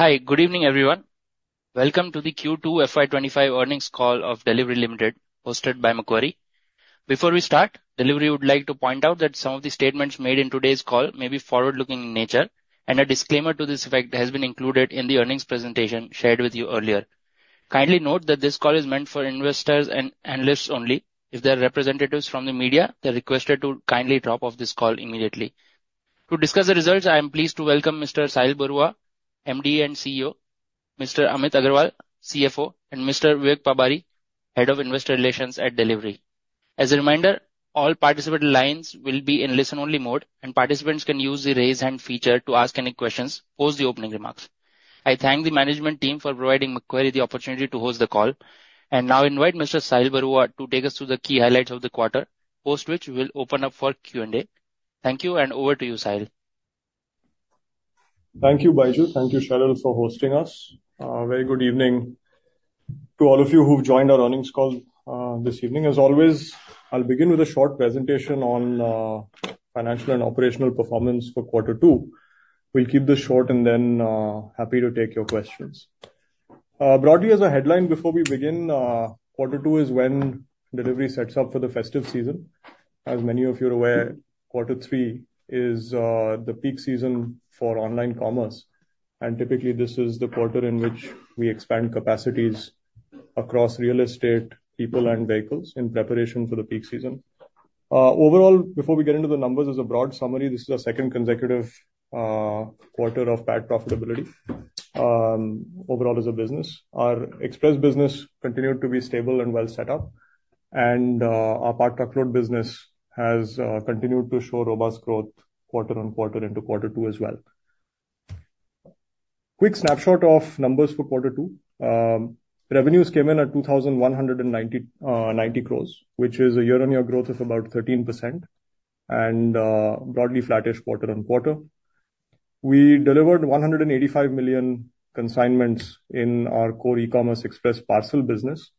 Hi, good evening, everyone. Welcome to the Q2 FY25 earnings call of Delhivery Limited, hosted by Macquarie. Before we start, Delhivery would like to point out that some of the statements made in today's call may be forward-looking in nature, and a disclaimer to this effect has been included in the earnings presentation shared with you earlier. Kindly note that this call is meant for investors and analysts only. If there are representatives from the media, they're requested to kindly drop off this call immediately. To discuss the results, I am pleased to welcome Mr. Sahil Barua, MD and CEO, Mr. Amit Agarwal, CFO, and Mr. Vivek Pabari, Head of Investor Relations at Delhivery. As a reminder, all participant lines will be in listen-only mode, and participants can use the raise hand feature to ask any questions post the opening remarks. I thank the management team for providing Macquarie the opportunity to host the call, and now invite Mr. Sahil Barua to take us through the key highlights of the quarter, post which we'll open up for Q&A. Thank you, and over to you, Sahil. Thank you, Baiju. Thank you, Shahril, for hosting us. Very good evening to all of you who've joined our earnings call this evening. As always, I'll begin with a short presentation on financial and operational performance for Q2. We'll keep this short, and then happy to take your questions. Broadly, as a headline before we begin, Q2 is when Delhivery sets up for the festive season. As many of you are aware, Q3 is the peak season for online commerce, and typically, this is the quarter in which we expand capacities across real estate, people, and vehicles in preparation for the peak season. Overall, before we get into the numbers, as a broad summary, this is our second consecutive quarter of bad profitability overall as a business. Our express business continued to be stable and well set up, and our Part Truckload business has continued to show robust growth quarter on quarter into Q2 as well. Quick snapshot of numbers for Q2: revenues came in at 2,190 crores, which is a year-on-year growth of about 13%, and broadly flattish quarter on quarter. We delivered 185 million consignments in our core e-commerce express parcel business.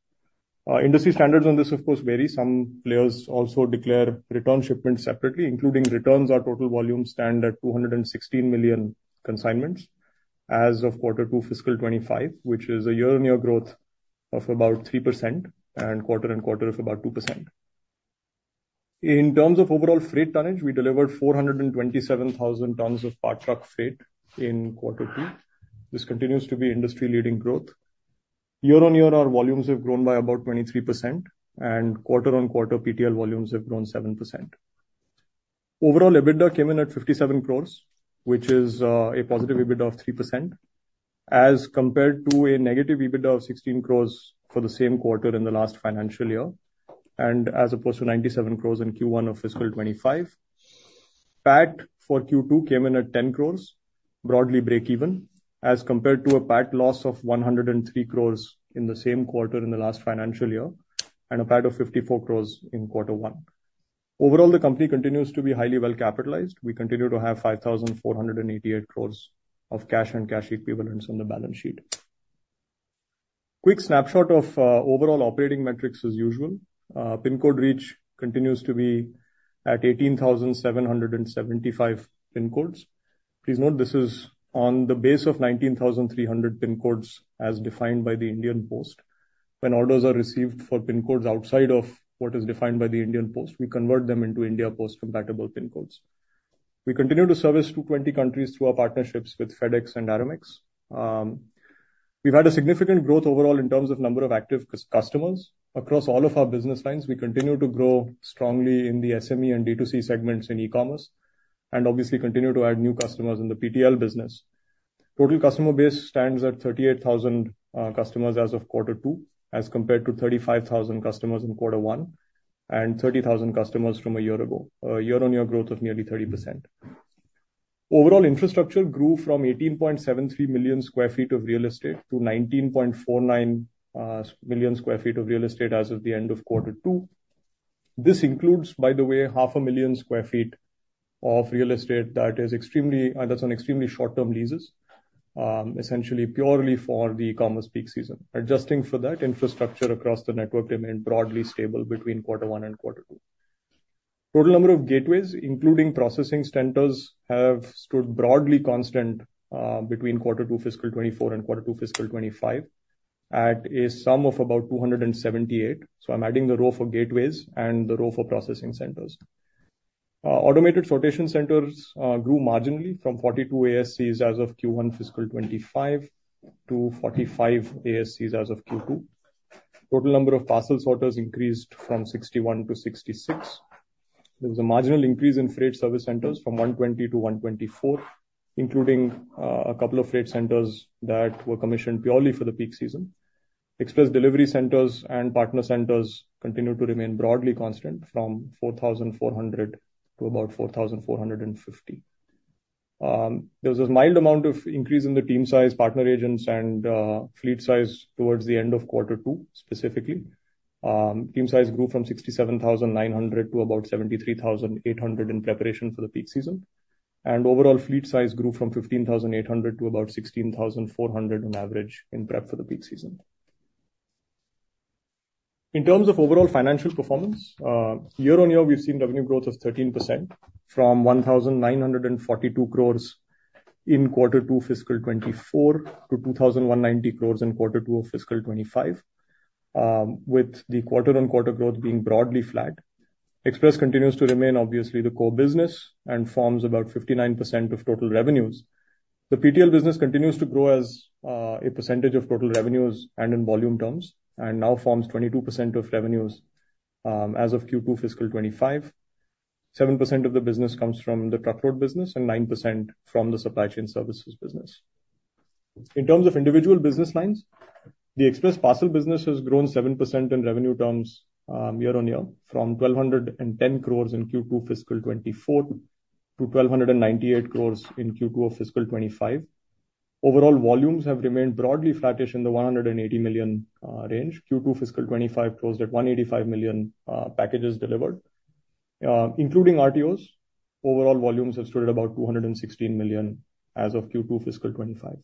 Industry standards on this, of course, vary. Some players also declare return shipments separately, including returns. Our total volumes stand at 216 million consignments as of Q2 fiscal 25, which is a year-on-year growth of about 3%, and quarter on quarter of about 2%. In terms of overall freight tonnage, we delivered 427,000 tons of part truck freight in Q2. This continues to be industry-leading growth. Year-on-year, our volumes have grown by about 23%, and quarter on quarter, PTL volumes have grown 7%. Overall, EBITDA came in at 57 crores, which is a positive EBITDA of 3%, as compared to a negative EBITDA of 16 crores for the same quarter in the last financial year, and as opposed to 97 crores in Q1 of fiscal 25. PAT for Q2 came in at 10 crores, broadly break-even, as compared to a PAT loss of 103 crores in the same quarter in the last financial year, and a PAT of 54 crores in Q1. Overall, the company continues to be highly well-capitalized. We continue to have 5,488 crores of cash and cash equivalents on the balance sheet. Quick snapshot of overall operating metrics, as usual. Pin code reach continues to be at 18,775 pin codes. Please note, this is on the base of 19,300 pin codes as defined by India Post. When orders are received for pin codes outside of what is defined by India Post, we convert them into India Post-compatible pin codes. We continue to service 220 countries through our partnerships with FedEx and Aramex. We've had a significant growth overall in terms of number of active customers. Across all of our business lines, we continue to grow strongly in the SME and D2C segments in e-commerce, and obviously continue to add new customers in the PTL business. Total customer base stands at 38,000 customers as of Q2, as compared to 35,000 customers in Q1 and 30,000 customers from a year ago, a year-on-year growth of nearly 30%. Overall infrastructure grew from 18.73 million sq ft of real estate to 19.49 million sq ft of real estate as of the end of Q2. This includes, by the way, 500,000 sq ft of real estate that is extremely. That's on extremely short-term leases, essentially purely for the e-commerce peak season. Adjusting for that, infrastructure across the network remained broadly stable between Q1 and Q2. Total number of gateways, including processing centers, have stood broadly constant between Q2 fiscal 2024 and Q2 fiscal 2025 at a sum of about 278. So I'm adding the row for gateways and the row for processing centers. Automated sortation centers grew marginally from 42 ASCs as of Q1 fiscal 2025 to 45 ASCs as of Q2. Total number of parcel sorters increased from 61 to 66. There was a marginal increase in freight service centers from 120 to 124, including a couple of freight centers that were commissioned purely for the peak season. Express delivery centers and partner centers continued to remain broadly constant from 4,400 to about 4,450. There was a mild amount of increase in the team size, partner agents, and fleet size towards the end of Q2 specifically. Team size grew from 67,900 to about 73,800 in preparation for the peak season. And overall fleet size grew from 15,800 to about 16,400 on average in prep for the peak season. In terms of overall financial performance, year-on-year, we've seen revenue growth of 13% from 1,942 crores in Q2 fiscal 2024 to 2,190 crores in Q2 of fiscal 2025, with the quarter-on-quarter growth being broadly flat. Express continues to remain, obviously, the core business and forms about 59% of total revenues. The PTL business continues to grow as a percentage of total revenues and in volume terms, and now forms 22% of revenues as of Q2 fiscal 2025. 7% of the business comes from the truckload business and 9% from the Supply Chain Services business. In terms of individual business lines, the express parcel business has grown 7% in revenue terms year-on-year from 1,210 crores in Q2 fiscal 2024 to 1,298 crores in Q2 of fiscal 2025. Overall volumes have remained broadly flattish in the 180 million range. Q2 fiscal 2025 closed at 185 million packages delivered. Including RTOs, overall volumes have stood at about 216 million as of Q2 fiscal 2025.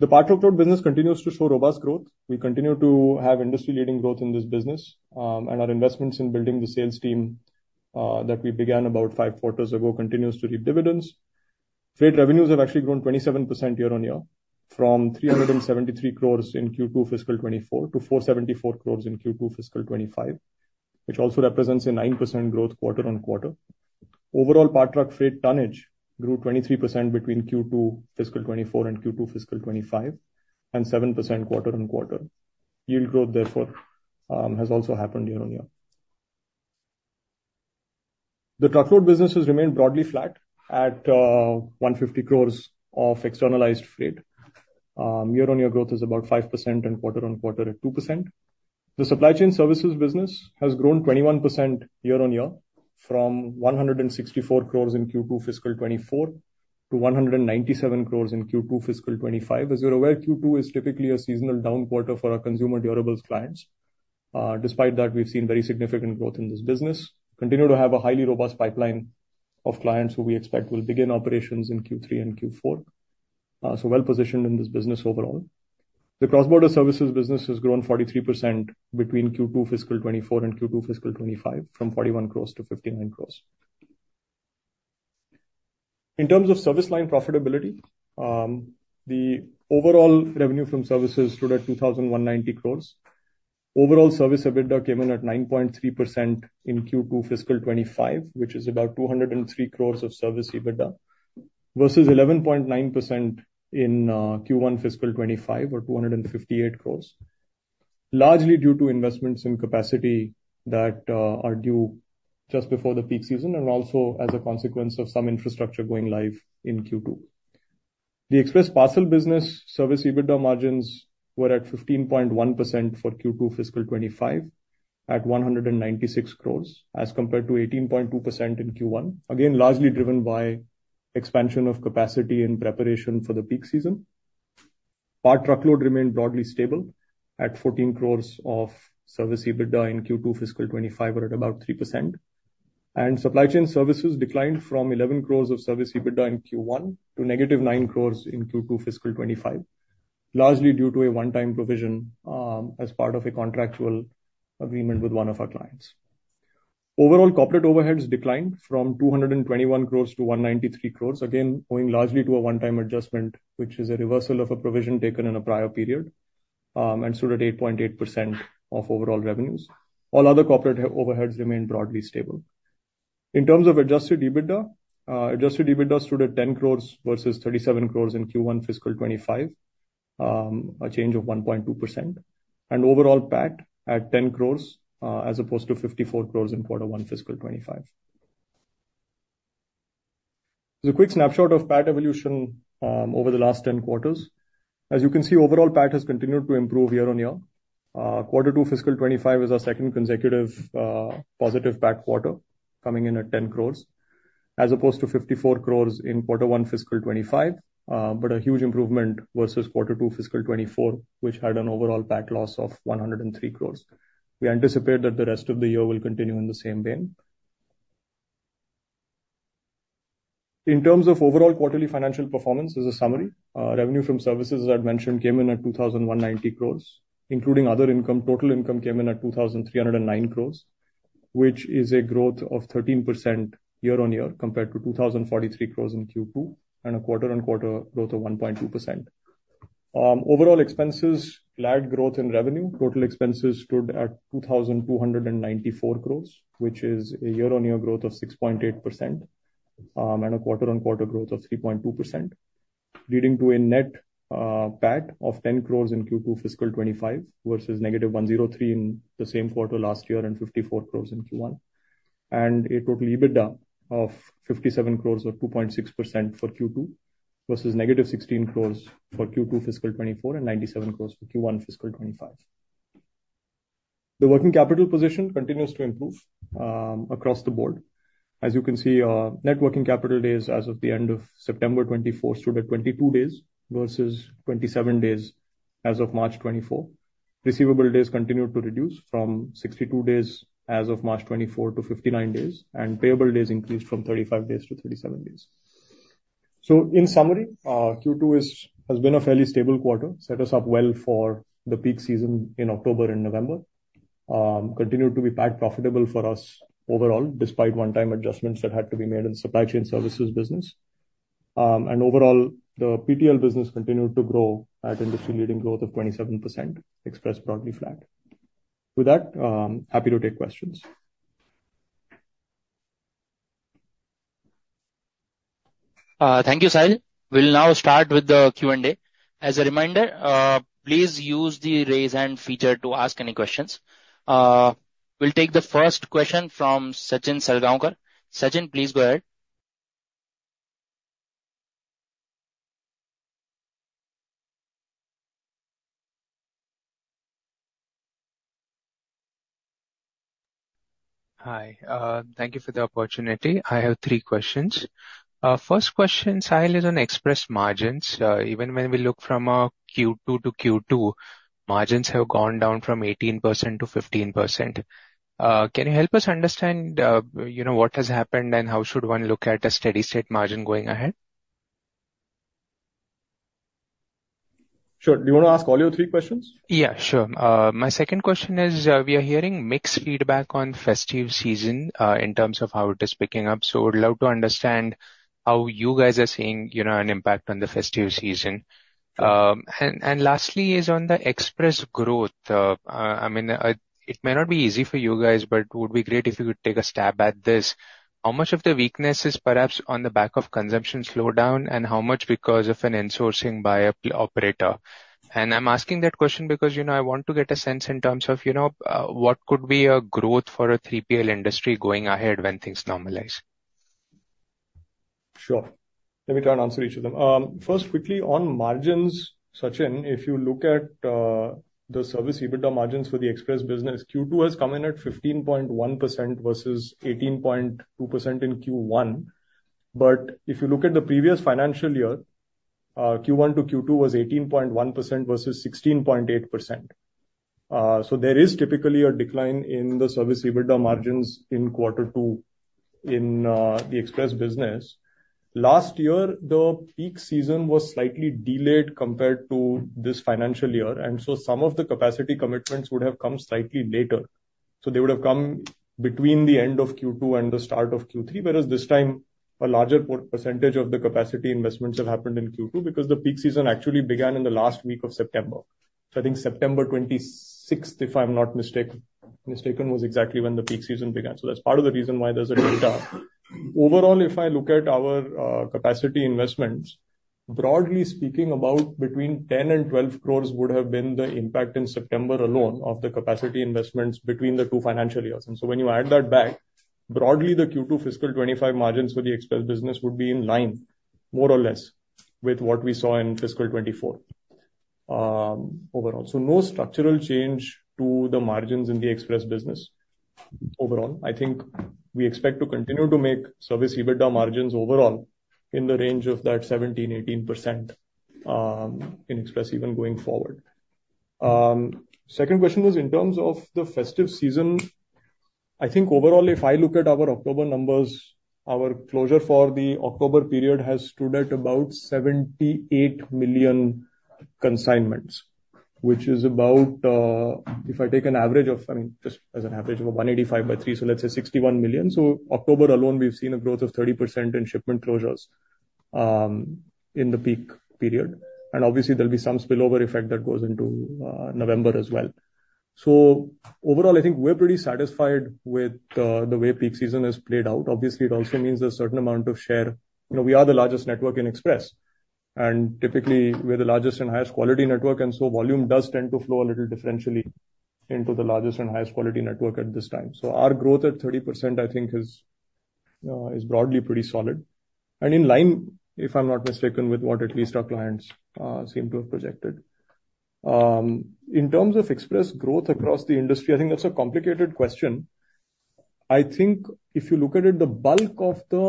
The part truckload business continues to show robust growth. We continue to have industry-leading growth in this business, and our investments in building the sales team that we began about five quarters ago continue to reap dividends. Freight revenues have actually grown 27% year-on-year from 373 crores in Q2 fiscal 2024 to 474 crores in Q2 fiscal 2025, which also represents a 9% growth quarter on quarter. Overall part truck freight tonnage grew 23% between Q2 fiscal 2024 and Q2 fiscal 2025, and 7% quarter on quarter. Yield growth, therefore, has also happened year-on-year. The truckload business has remained broadly flat at 150 crores of externalized freight. Year-on-year growth is about 5%, and quarter on quarter at 2%. The supply chain services business has grown 21% year-on-year from 164 crores in Q2 fiscal 2024 to 197 crores in Q2 fiscal 2025. As you're aware, Q2 is typically a seasonal down quarter for our consumer durables clients. Despite that, we've seen very significant growth in this business, continue to have a highly robust pipeline of clients who we expect will begin operations in Q3 and Q4. Well positioned in this business overall. The Cross-Border Services business has grown 43% between Q2 fiscal 2024 and Q2 fiscal 2025 from 41 crores to 59 crores. In terms of service line profitability, the overall revenue from services stood at 2,190 crores. Overall service EBITDA came in at 9.3% in Q2 fiscal 2025, which is about 203 crores of service EBITDA, versus 11.9% in Q1 fiscal 2025 or 258 crores, largely due to investments in capacity that are due just before the peak season and also as a consequence of some infrastructure going live in Q2. The express parcel business service EBITDA margins were at 15.1% for Q2 fiscal 2025 at 196 crores, as compared to 18.2% in Q1, again largely driven by expansion of capacity in preparation for the peak season. Part Truckload remained broadly stable at 14 crores of Service EBITDA in Q2 fiscal 25 or at about 3%. And Supply Chain Services declined from 11 crores of Service EBITDA in Q1 to negative 9 crores in Q2 fiscal 25, largely due to a one-time provision as part of a contractual agreement with one of our clients. Overall corporate overheads declined from 221 crores to 193 crores, again owing largely to a one-time adjustment, which is a reversal of a provision taken in a prior period, and stood at 8.8% of overall revenues. All other corporate overheads remained broadly stable. In terms of adjusted EBITDA, adjusted EBITDA stood at 10 crores versus 37 crores in Q1 fiscal 25, a change of 1.2%, and overall PAT at 10 crores as opposed to 54 crores in Q1 fiscal 25. There's a quick snapshot of PAT evolution over the last 10 quarters. As you can see, overall PAT has continued to improve year-on-year. Q2 fiscal 25 is our second consecutive positive PAT quarter, coming in at 10 crores, as opposed to 54 crores in Q1 fiscal 25, but a huge improvement versus Q2 fiscal 24, which had an overall PAT loss of 103 crores. We anticipate that the rest of the year will continue in the same vein. In terms of overall quarterly financial performance, as a summary, revenue from services, as I've mentioned, came in at 2,190 crores, including other income. Total income came in at 2,309 crores, which is a growth of 13% year-on-year compared to 2,043 crores in Q2 and a quarter-on-quarter growth of 1.2%. Overall expenses lagged growth in revenue. Total expenses stood at 2,294 crores, which is a year-on-year growth of 6.8% and a quarter-on-quarter growth of 3.2%, leading to a net PAT of 10 crores in Q2 fiscal 2025 versus negative 103 in the same quarter last year and 54 crores in Q1, and a total EBITDA of 57 crores or 2.6% for Q2 versus negative 16 crores for Q2 fiscal 2024 and 97 crores for Q1 fiscal 2025. The working capital position continues to improve across the board. As you can see, net working capital days as of the end of September 2024 stood at 22 days versus 27 days as of March 2024. Receivable days continued to reduce from 62 days as of March 2024 to 59 days, and payable days increased from 35 days to 37 days. So in summary, Q2 has been a fairly stable quarter, set us up well for the peak season in October and November, continued to be PAT profitable for us overall, despite one-time adjustments that had to be made in the supply chain services business, and overall, the PTL business continued to grow at industry-leading growth of 27%, express broadly flat. With that, happy to take questions. Thank you, Sahil. We'll now start with the Q&A. As a reminder, please use the raise hand feature to ask any questions. We'll take the first question from Sachin Salgaonkar. Sachin, please go ahead. Hi. Thank you for the opportunity. I have three questions. First question, Sahil, is on express margins. Even when we look from Q2 to Q2, margins have gone down from 18% to 15%. Can you help us understand what has happened and how should one look at a steady state margin going ahead? Sure. Do you want to ask all your three questions? Yeah, sure. My second question is, we are hearing mixed feedback on festive season in terms of how it is picking up. So I would love to understand how you guys are seeing an impact on the festive season. And lastly is on the express growth. I mean, it may not be easy for you guys, but it would be great if you could take a stab at this. How much of the weakness is perhaps on the back of consumption slowdown and how much because of an insourcing by an operator? And I'm asking that question because I want to get a sense in terms of what could be a growth for a 3PL industry going ahead when things normalize? Sure. Let me try and answer each of them. First, quickly on margins, Sachin, if you look at the Service EBITDA margins for the express business, Q2 has come in at 15.1% versus 18.2% in Q1. But if you look at the previous financial year, Q1 to Q2 was 18.1% versus 16.8%. So there is typically a decline in the Service EBITDA margins in Q2 in the express business. Last year, the peak season was slightly delayed compared to this financial year, and so some of the capacity commitments would have come slightly later. So they would have come between the end of Q2 and the start of Q3, whereas this time, a larger percentage of the capacity investments have happened in Q2 because the peak season actually began in the last week of September. So I think September 26, if I'm not mistaken, was exactly when the peak season began. So that's part of the reason why there's a delta. Overall, if I look at our capacity investments, broadly speaking, about between 10 and 12 crores would have been the impact in September alone of the capacity investments between the two financial years. And so when you add that back, broadly, the Q2 fiscal 2025 margins for the express business would be in line, more or less, with what we saw in fiscal 2024 overall. So no structural change to the margins in the express business overall. I think we expect to continue to make service EBITDA margins overall in the range of that 17%-18% in express even going forward. Second question was in terms of the festive season, I think overall, if I look at our October numbers, our closure for the October period has stood at about 78 million consignments, which is about, if I take an average of, I mean, just as an average of 185 by 3, so let's say 61 million. So October alone, we've seen a growth of 30% in shipment closures in the peak period. And obviously, there'll be some spillover effect that goes into November as well. So overall, I think we're pretty satisfied with the way peak season has played out. Obviously, it also means a certain amount of share. We are the largest network in express, and typically, we're the largest and highest quality network, and so volume does tend to flow a little differentially into the largest and highest quality network at this time. So our growth at 30%, I think, is broadly pretty solid and in line, if I'm not mistaken, with what at least our clients seem to have projected. In terms of express growth across the industry, I think that's a complicated question. I think if you look at it, the bulk of the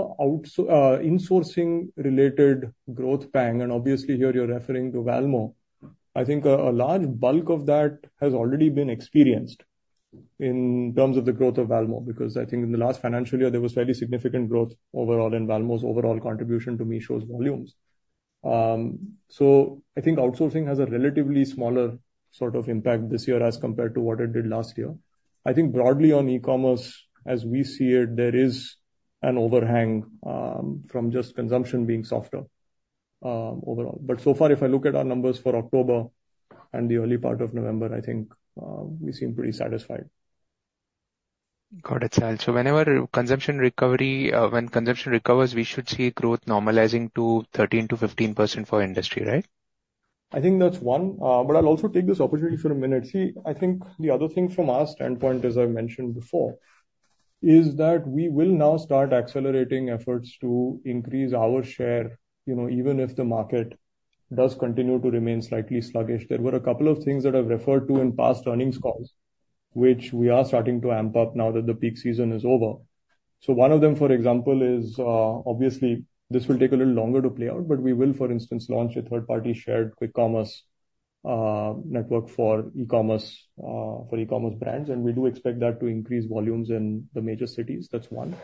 insourcing-related growth bang, and obviously, here you're referring to Valmo, I think a large bulk of that has already been experienced in terms of the growth of Valmo, because I think in the last financial year, there was fairly significant growth overall, and Valmo's overall contribution to Meesho's volumes. So I think outsourcing has a relatively smaller sort of impact this year as compared to what it did last year. I think broadly on e-commerce, as we see it, there is an overhang from just consumption being softer overall. But so far, if I look at our numbers for October and the early part of November, I think we seem pretty satisfied. Got it, Sahil. So whenever consumption recovers, we should see growth normalizing to 13%-15% for industry, right? I think that's one. But I'll also take this opportunity for a minute. See, I think the other thing from our standpoint, as I've mentioned before, is that we will now start accelerating efforts to increase our share, even if the market does continue to remain slightly sluggish. There were a couple of things that I've referred to in past earnings calls, which we are starting to amp up now that the peak season is over. So one of them, for example, is obviously this will take a little longer to play out, but we will, for instance, launch a third-party shared quick commerce network for e-commerce brands. And we do expect that to increase volumes in the major cities. That's one.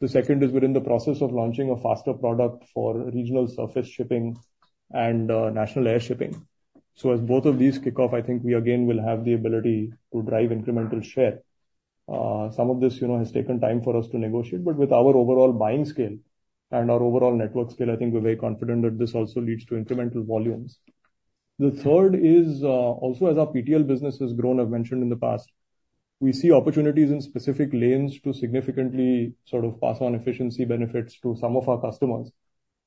The second is we're in the process of launching a faster product for regional surface shipping and national air shipping. So as both of these kick off, I think we again will have the ability to drive incremental share. Some of this has taken time for us to negotiate, but with our overall buying scale and our overall network scale, I think we're very confident that this also leads to incremental volumes. The third is also, as our PTL business has grown, I've mentioned in the past, we see opportunities in specific lanes to significantly sort of pass on efficiency benefits to some of our customers,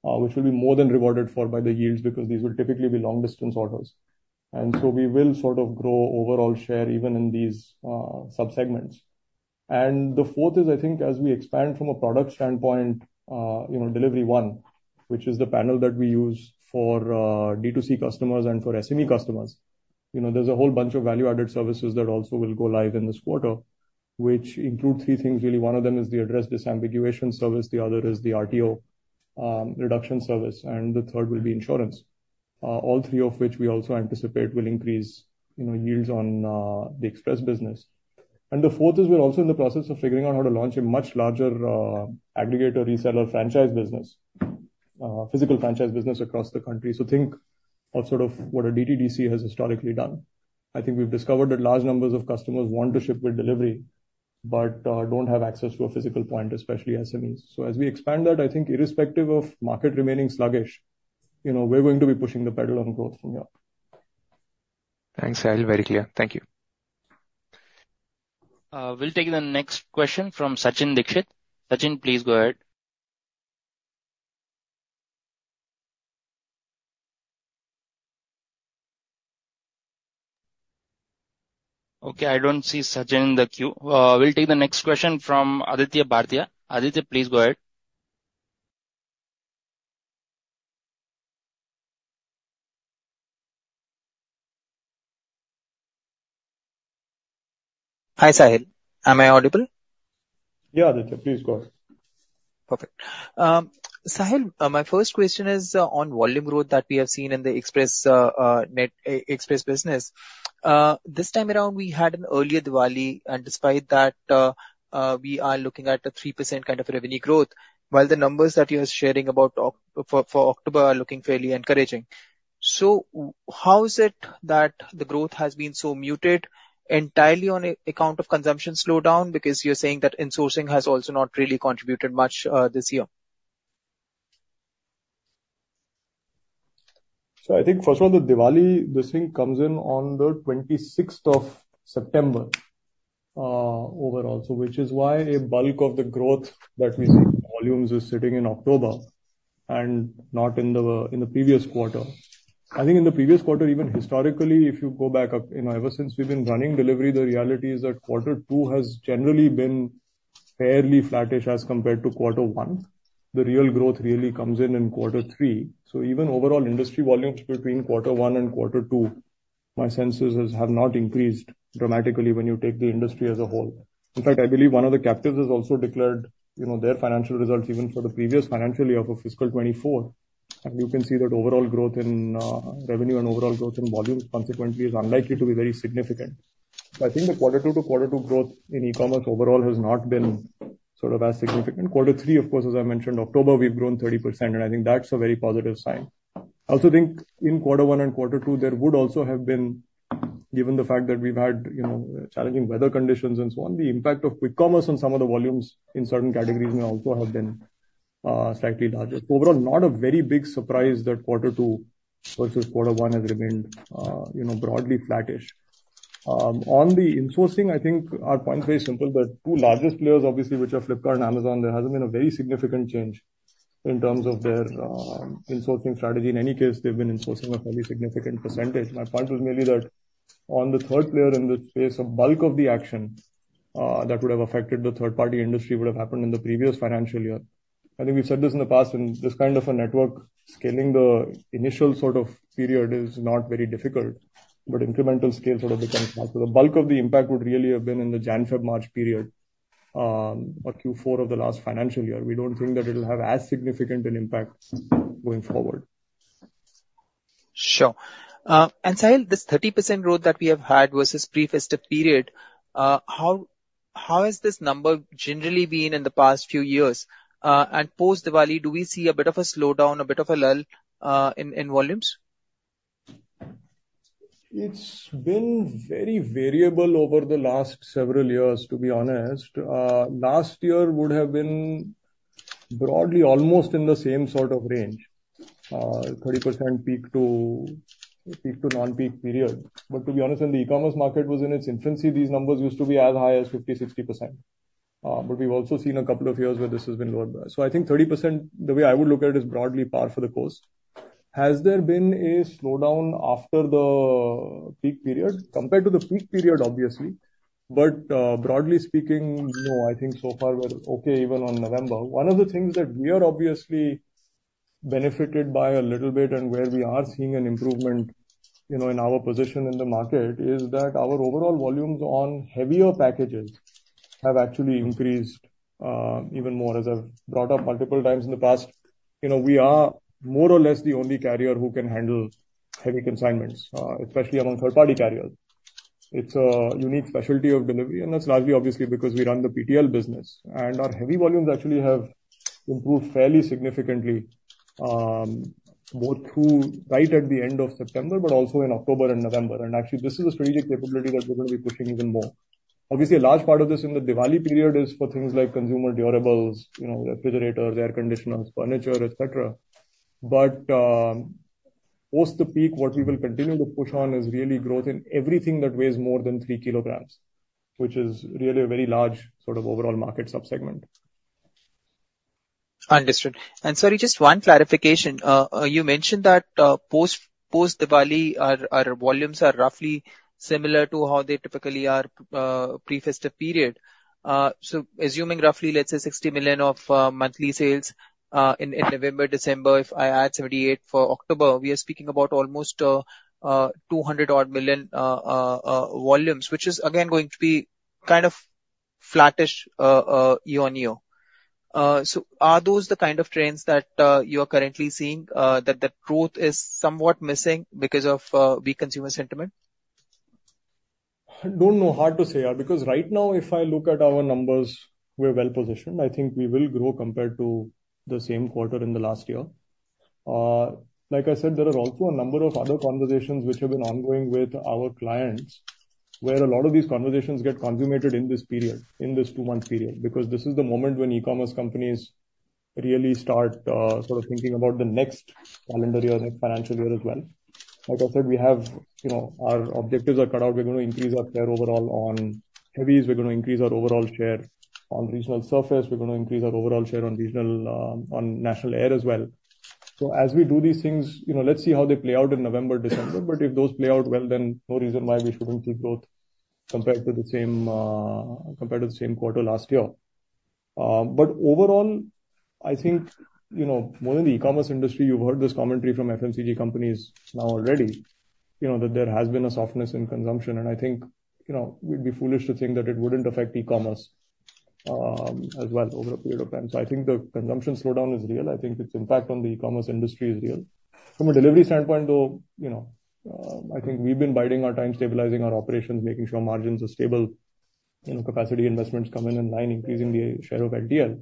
which will be more than rewarded for by the yields because these will typically be long-distance orders. And so we will sort of grow overall share even in these subsegments. And the fourth is, I think, as we expand from a product standpoint, Delhivery One, which is the platform that we use for D2C customers and for SME customers, there's a whole bunch of value-added services that also will go live in this quarter, which include three things, really. One of them is the address disambiguation service. The other is the RTO reduction service. And the third will be insurance, all three of which we also anticipate will increase yields on the express business. And the fourth is we're also in the process of figuring out how to launch a much larger aggregator reseller franchise business, physical franchise business across the country. So think of sort of what a DTDC has historically done. I think we've discovered that large numbers of customers want to ship with Delhivery but don't have access to a physical point, especially SMEs. So as we expand that, I think irrespective of market remaining sluggish, we're going to be pushing the pedal on growth from here. Thanks, Sahil. Very clear. Thank you. We'll take the next question from Sachin Dixit. Sachin, please go ahead. Okay. I don't see Sachin in the queue. We'll take the next question from Aditya Bhartiya. Aditya, please go ahead. Hi, Sahil. Am I audible? Sahil, my first question is on volume growth that we have seen in the express business. This time around, we had an earlier Diwali, and despite that, we are looking at a 3% kind of revenue growth, while the numbers that you are sharing about for October are looking fairly encouraging, so how is it that the growth has been so muted entirely on account of consumption slowdown? Because you're saying that insourcing has also not really contributed much this year. So I think, first of all, the Diwali, this thing comes in on the 26th of September overall, which is why a bulk of the growth that we see in volumes is sitting in October and not in the previous quarter. I think in the previous quarter, even historically, if you go back up, ever since we've been running delivery, the reality is that Q2 has generally been fairly flattish as compared to Q1. The real growth really comes in in Q3, so even overall industry volumes between Q1 and Q2, my senses have not increased dramatically when you take the industry as a whole. In fact, I believe one of the captives has also declared their financial results even for the previous financial year for fiscal 2024. And you can see that overall growth in revenue and overall growth in volumes consequently is unlikely to be very significant, so I think the Q2 to Q2 growth in e-commerce overall has not been sort of as significant. Q3, of course, as I mentioned, October, we've grown 30%, and I think that's a very positive sign. I also think in Q1 one and Q2, there would also have been, given the fact that we've had challenging weather conditions and so on, the impact of quick commerce on some of the volumes in certain categories may also have been slightly larger. Overall, not a very big surprise that Q2 versus Q1 has remained broadly flattish. On the insourcing, I think our point is very simple. The two largest players, obviously, which are Flipkart and Amazon, there hasn't been a very significant change in terms of their insourcing strategy. In any case, they've been insourcing a fairly significant percentage. My point was merely that on the third player in the space, a bulk of the action that would have affected the third-party industry would have happened in the previous financial year. I think we've said this in the past, and this kind of a network scaling the initial sort of period is not very difficult, but incremental scale sort of becomes hard. So the bulk of the impact would really have been in the Jan-Feb-March period, Q4 of the last financial year. We don't think that it'll have as significant an impact going forward. Sure. And Sahil, this 30% growth that we have had versus pre-festive period, how has this number generally been in the past few years? And post-Diwali, do we see a bit of a slowdown, a bit of a lull in volumes? It's been very variable over the last several years, to be honest. Last year would have been broadly almost in the same sort of range, 30% peak-to-non-peak period. But to be honest, when the e-commerce market was in its infancy, these numbers used to be as high as 50%, 60%. But we've also seen a couple of years where this has been lower. So I think 30%, the way I would look at it, is broadly par for the course. Has there been a slowdown after the peak period? Compared to the peak period, obviously. But broadly speaking, no, I think so far we're okay even on November. One of the things that we are obviously benefited by a little bit and where we are seeing an improvement in our position in the market is that our overall volumes on heavier packages have actually increased even more. As I've brought up multiple times in the past, we are more or less the only carrier who can handle heavy consignments, especially among third-party carriers. It's a unique specialty of Delhivery, and that's largely obviously because we run the PTL business. And our heavy volumes actually have improved fairly significantly both right at the end of September, but also in October and November. And actually, this is a strategic capability that we're going to be pushing even more. Obviously, a large part of this in the Diwali period is for things like consumer durables, refrigerators, air conditioners, furniture, etc. But post the peak, what we will continue to push on is really growth in everything that weighs more than three kilograms, which is really a very large sort of overall market subsegment. Understood. And sorry, just one clarification. You mentioned that post-Diwali, our volumes are roughly similar to how they typically are pre-festive period. So assuming roughly, let's say, 60 million of monthly sales in November, December, if I add 78 for October, we are speaking about almost 200-odd million volumes, which is, again, going to be kind of flattish year on year. So are those the kind of trends that you are currently seeing, that the growth is somewhat missing because of weak consumer sentiment? Don't know. Hard to say. Because right now, if I look at our numbers, we're well positioned. I think we will grow compared to the same quarter in the last year. Like I said, there are also a number of other conversations which have been ongoing with our clients, where a lot of these conversations get consummated in this period, in this 2 months period, because this is the moment when e-commerce companies really start sort of thinking about the next calendar year and financial year as well. Like I said, our objectives are cut out. We're going to increase our share overall on heavies. We're going to increase our overall share on regional surface. We're going to increase our overall share on national air as well. So as we do these things, let's see how they play out in November, December. But if those play out well, then no reason why we shouldn't see growth compared to the same quarter last year. But overall, I think more than the e-commerce industry, you've heard this commentary from FMCG companies now already, that there has been a softness in consumption. And I think it would be foolish to think that it wouldn't affect e-commerce as well over a period of time. So I think the consumption slowdown is real. I think its impact on the e-commerce industry is real. From a delivery standpoint, though, I think we've been biding our time, stabilizing our operations, making sure margins are stable, capacity investments come in and line, increasing the share of LTL.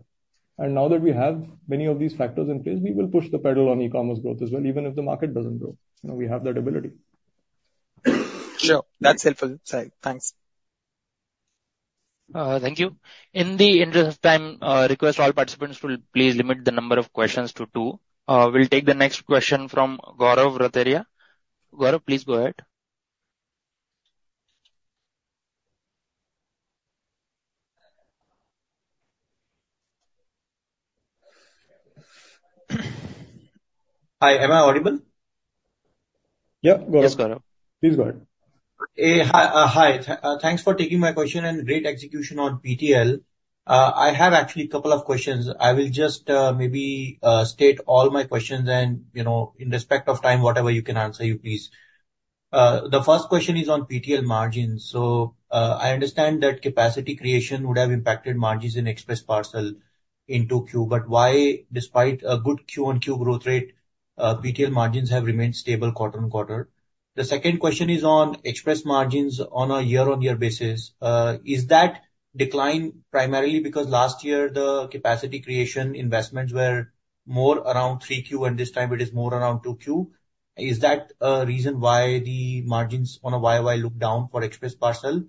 And now that we have many of these factors in place, we will push the pedal on e-commerce growth as well, even if the market doesn't grow. We have that ability. Sure. That's helpful. Thanks. Thank you. In the interest of time, request all participants to please limit the number of questions to two. We'll take the next question from Gaurav Rateria. Gaurav, please go ahead. Hi. Am I audible? Yeah. Go ahead. Yes, Gaurav. Please go ahead. Hi. Thanks for taking my question and great execution on PTL. I have actually a couple of questions. I will just maybe state all my questions. And in respect of time, whatever you can answer, please. The first question is on PTL margins. So I understand that capacity creation would have impacted margins in express parcel in Q2. But why, despite a good quarter-on-quarter growth rate, PTL margins have remained stable quarter on quarter? The second question is on express margins on a year-on-year basis. Is that decline primarily because last year the capacity creation investments were more around 3Q, and this time it is more around 2Q? Is that a reason why the margins on a YoY look down for express parcel?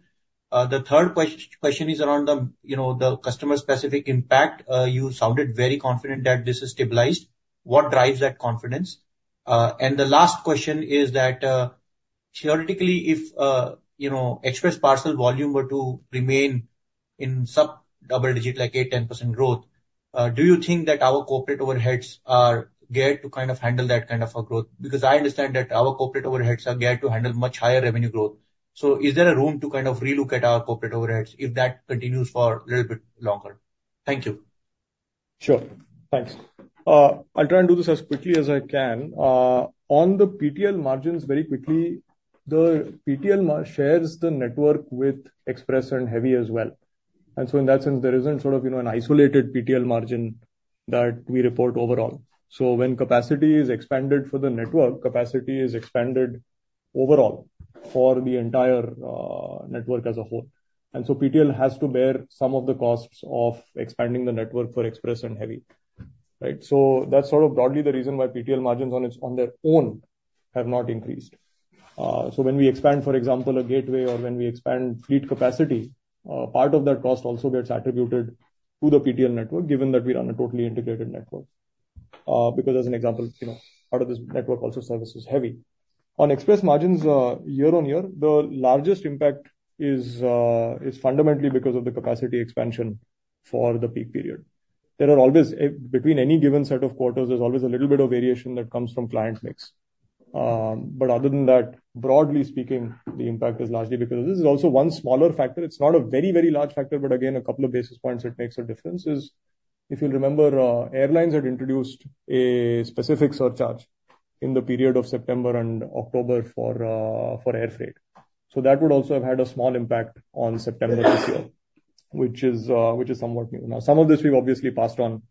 The third question is around the customer-specific impact. You sounded very confident that this is stabilized. What drives that confidence? And the last question is that theoretically, if express parcel volume were to remain in sub-double digit, like 8%-10% growth, do you think that our corporate overheads are geared to kind of handle that kind of growth? Because I understand that our corporate overheads are geared to handle much higher revenue growth. So is there a room to kind of relook at our corporate overheads if that continues for a little bit longer? Thank you. Sure. Thanks. I'll try and do this as quickly as I can. On the PTL margins, very quickly, the PTL shares the network with express and heavy as well. And so in that sense, there isn't sort of an isolated PTL margin that we report overall. When capacity is expanded for the network, capacity is expanded overall for the entire network as a whole. And so PTL has to bear some of the costs of expanding the network for express and heavy. So that's sort of broadly the reason why PTL margins on their own have not increased. So when we expand, for example, a gateway or when we expand fleet capacity, part of that cost also gets attributed to the PTL network, given that we run a totally integrated network. Because as an example, part of this network also services heavy. On express margins, year on year, the largest impact is fundamentally because of the capacity expansion for the peak period. There are always, between any given set of quarters, there's always a little bit of variation that comes from client mix. But other than that, broadly speaking, the impact is largely because of this. There's also one smaller factor. It's not a very, very large factor, but again, a couple of basis points that makes a difference is, if you'll remember, airlines had introduced a specific surcharge in the period of September and October for air freight. So that would also have had a small impact on September this year, which is somewhat new. Now, some of this we've obviously passed on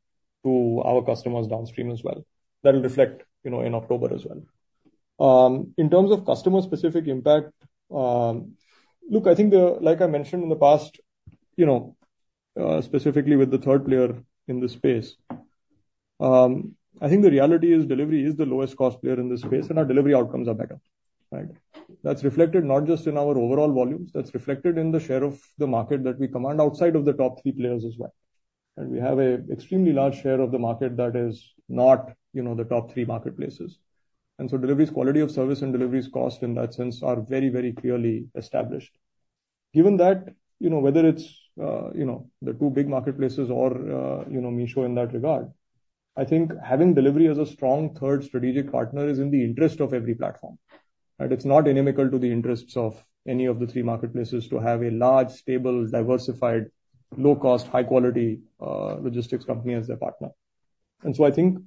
to our customers downstream as well. That'll reflect in October as well. In terms of customer-specific impact, look, I think, like I mentioned in the past, specifically with the third player in the space, I think the reality is Delhivery is the lowest cost player in this space, and our Delhivery outcomes are better. That's reflected not just in our overall volumes. That's reflected in the share of the market that we command outside of the top three players as well, and we have an extremely large share of the market that is not the top three marketplaces, and so Delhivery's quality of service and Delhivery's cost in that sense are very, very clearly established. Given that, whether it's the two big marketplaces or Meesho in that regard, I think having Delhivery as a strong third strategic partner is in the interest of every platform. It's not inimical to the interests of any of the three marketplaces to have a large, stable, diversified, low-cost, high-quality logistics company as their partner, and so I think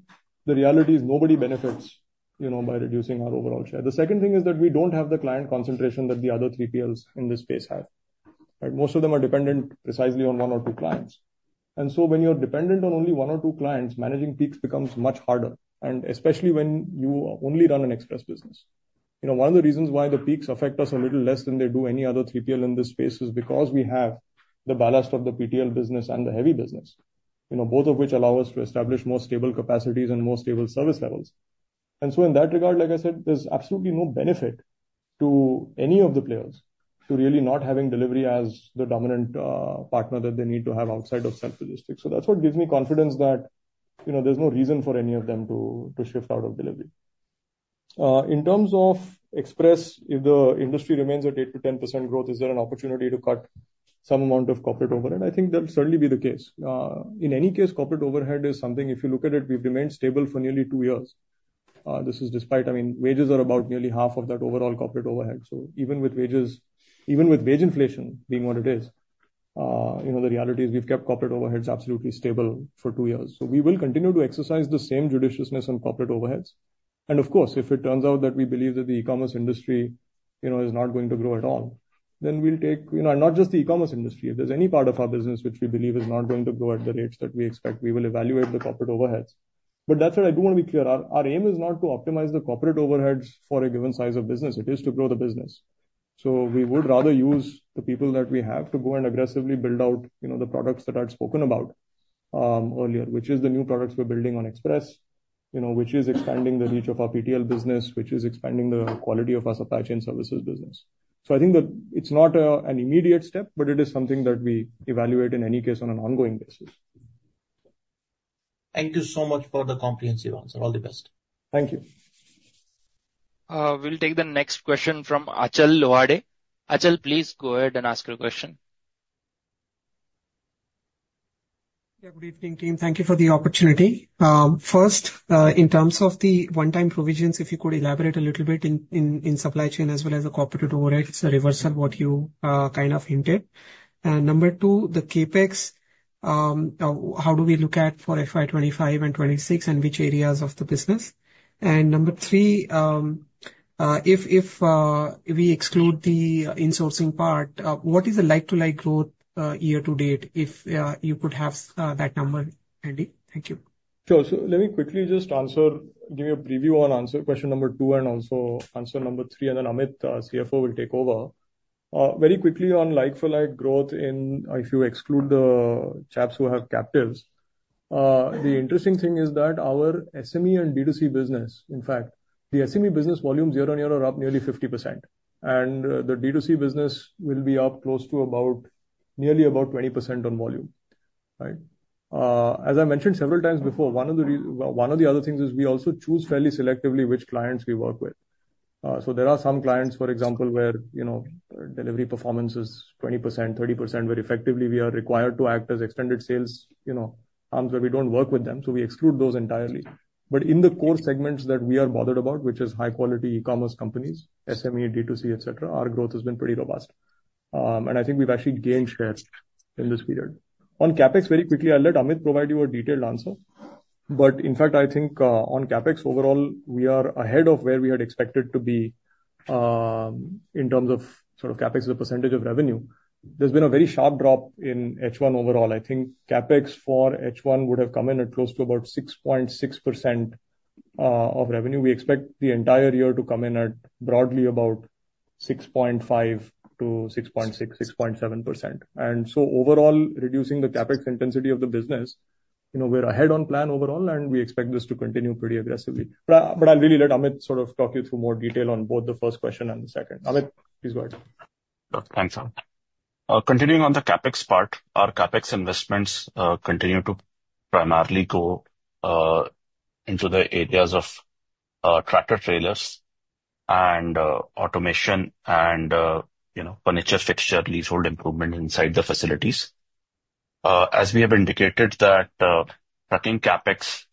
the reality is nobody benefits by reducing our overall share. The second thing is that we don't have the client concentration that the other three 3PLs in this space have. Most of them are dependent precisely on one or two clients, and so when you're dependent on only one or two clients, managing peaks becomes much harder, and especially when you only run an express business. One of the reasons why the peaks affect us a little less than they do any other 3PL in this space is because we have the ballast of the PTL business and the heavy business, both of which allow us to establish more stable capacities and more stable service levels, and so in that regard, like I said, there's absolutely no benefit to any of the players to really not having Delhivery as the dominant partner that they need to have outside of self-logistics, so that's what gives me confidence that there's no reason for any of them to shift out of Delhivery. In terms of express, if the industry remains at 8%-10% growth, is there an opportunity to cut some amount of corporate overhead? I think that would certainly be the case. In any case, corporate overhead is something, if you look at it, we've remained stable for nearly two years. This is despite, I mean, wages are about nearly half of that overall corporate overhead. So even with wages, even with wage inflation being what it is, the reality is we've kept corporate overheads absolutely stable for two years. So we will continue to exercise the same judiciousness on corporate overheads. And of course, if it turns out that we believe that the e-commerce industry is not going to grow at all, then we'll take not just the e-commerce industry. If there's any part of our business which we believe is not going to grow at the rates that we expect, we will evaluate the corporate overheads. But that's what I do want to be clear. Our aim is not to optimize the corporate overheads for a given size of business. It is to grow the business. So we would rather use the people that we have to go and aggressively build out the products that I'd spoken about earlier, which is the new products we're building on express, which is expanding the reach of our PTL business, which is expanding the quality of our supply chain services business. So I think that it's not an immediate step, but it is something that we evaluate in any case on an ongoing basis. Thank you so much for the comprehensive answer. All the best. Thank you. We'll take the next question from Achal Lohade. Achal, please go ahead and ask your question. Yeah, good evening, team. Thank you for the opportunity. First, in terms of the one-time provisions, if you could elaborate a little bit in supply chain as well as the corporate overhead, it's a reverse of what you kind of hinted. And number two, the CapEx, how do we look at for FY 2025 and 2026 and which areas of the business? And number three, if we exclude the insourcing part, what is the like-for-like growth year to date if you could have that number, Amit? Thank you. Sure. So let me quickly just answer, give you a preview on answer question number two and also answer number three. And then Amit, CFO, will take over. Very quickly on like-for-like growth, if you exclude the chaps who have captives, the interesting thing is that our SME and D2C business, in fact, the SME business volumes year on year are up nearly 50%. And the D2C business will be up close to nearly about 20% on volume. As I mentioned several times before, one of the other things is we also choose fairly selectively which clients we work with. So there are some clients, for example, where delivery performance is 20%, 30%, where effectively we are required to act as extended sales arms where we don't work with them. So we exclude those entirely. But in the core segments that we are bothered about, which is high-quality e-commerce companies, SME, D2C, etc., our growth has been pretty robust. And I think we've actually gained share in this period. On CapEx, very quickly, I'll let Amit provide you a detailed answer. But in fact, I think on CapEx overall, we are ahead of where we had expected to be in terms of sort of CapEx as a percentage of revenue. There's been a very sharp drop in H1 overall. I think CapEx for H1 would have come in at close to about 6.6% of revenue. We expect the entire year to come in at broadly about 6.5% to 6.6%, 6.7%. And so overall, reducing the CapEx intensity of the business, we're ahead on plan overall, and we expect this to continue pretty aggressively. But I'll really let Amit sort of talk you through more detail on both the first question and the second. Amit, please go ahead. Thanks, sir. Continuing on the CapEx part, our CapEx investments continue to primarily go into the areas of tractor trailers and automation and furniture fixture leasehold improvement inside the facilities. As we have indicated, that trucking CapEx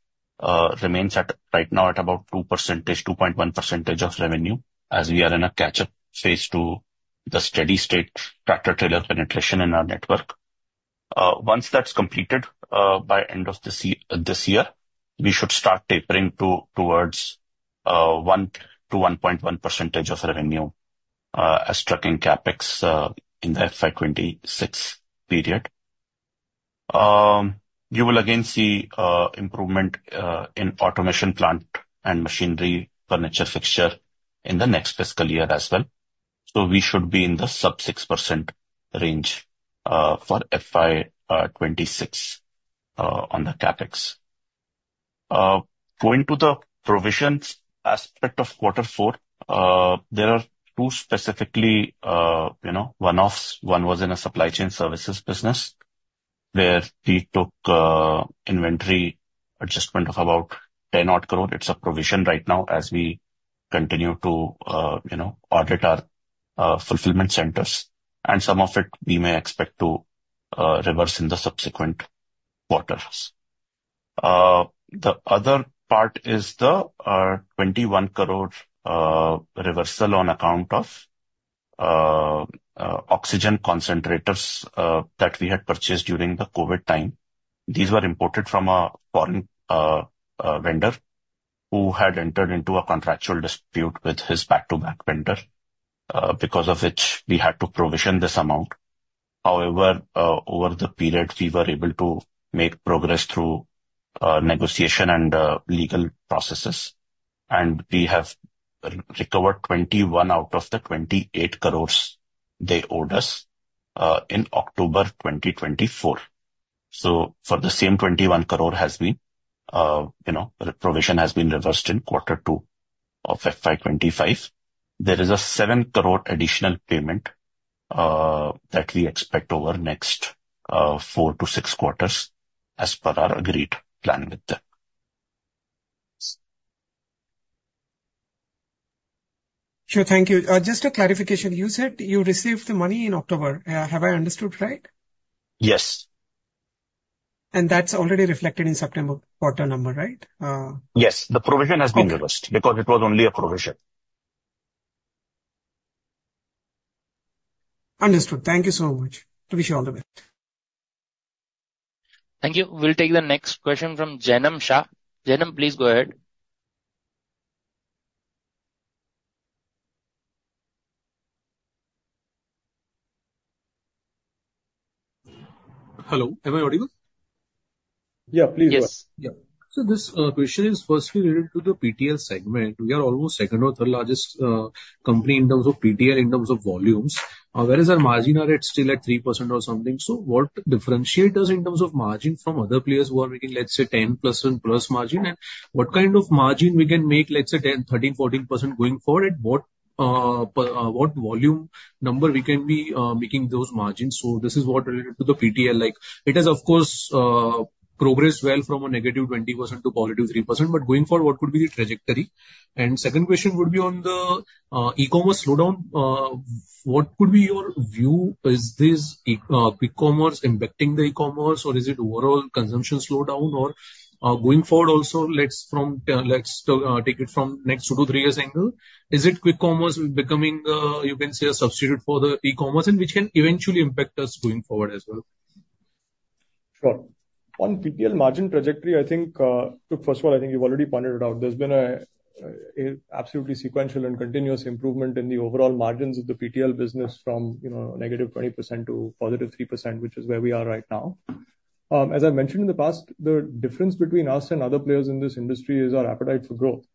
remains right now at about 2-2.1% of revenue as we are in a catch-up phase to the steady-state tractor trailer penetration in our network. Once that's completed by end of this year, we should start tapering towards 1-1.1% of revenue as trucking CapEx in the FY26 period. You will again see improvement in automation plant and machinery furniture fixture in the next fiscal year as well. So we should be in the sub-6% range for FY26 on the CapEx. Going to the provisions aspect of Q4, there are two specifically one-offs. One was in a supply chain services business where we took inventory adjustment of about 10 crore. It's a provision right now as we continue to audit our fulfillment centers, and some of it we may expect to reverse in the subsequent quarters. The other part is the 21 crore reversal on account of oxygen concentrators that we had purchased during the COVID time. These were imported from a foreign vendor who had entered into a contractual dispute with his back-to-back vendor because of which we had to provision this amount. However, over the period, we were able to make progress through negotiation and legal processes, and we have recovered 21 out of the 28 crores they owed us in October 2024, so for the same 21 crore, the provision has been reversed in Q2 of FY25. There is a 7 crore additional payment that we expect over next four to six quarters as per our agreed plan with them. Sure. Thank you. Just a clarification. You said you received the money in October. Have I understood right? Yes. And that's already reflected in September quarter number, right? Yes. The provision has been reversed because it was only a provision. Understood. Thank you so much. Wish you all the best. Thank you. We'll take the next question from Janam Shah. Janam, please go ahead. Hello. Am I audible? Yeah, please. Yes. So this question is firstly related to the PTL segment. We are almost second or third largest company in terms of PTL, in terms of volumes. Whereas our margin are at still at 3% or something. So what differentiates us in terms of margin from other players who are making, let's say, 10% plus margin? And what kind of margin we can make, let's say, 10, 13, 14% going forward? And what volume number we can be making those margins? So this is what's related to the PTL. It has, of course, progressed well from a negative 20% to positive 3%. But going forward, what could be the trajectory? And second question would be on the e-commerce slowdown. What could be your view? Is this quick commerce impacting the e-commerce? Or is it overall consumption slowdown? Or going forward also, let's take it from next two to three years angle. Is it quick commerce becoming, you can say, a substitute for the e-commerce? And which can eventually impact us going forward as well? Sure. On PTL margin trajectory, I think, first of all, I think you've already pointed it out. There's been an absolutely sequential and continuous improvement in the overall margins of the PTL business from negative 20% to positive 3%, which is where we are right now. As I mentioned in the past, the difference between us and other players in this industry is our appetite for growth.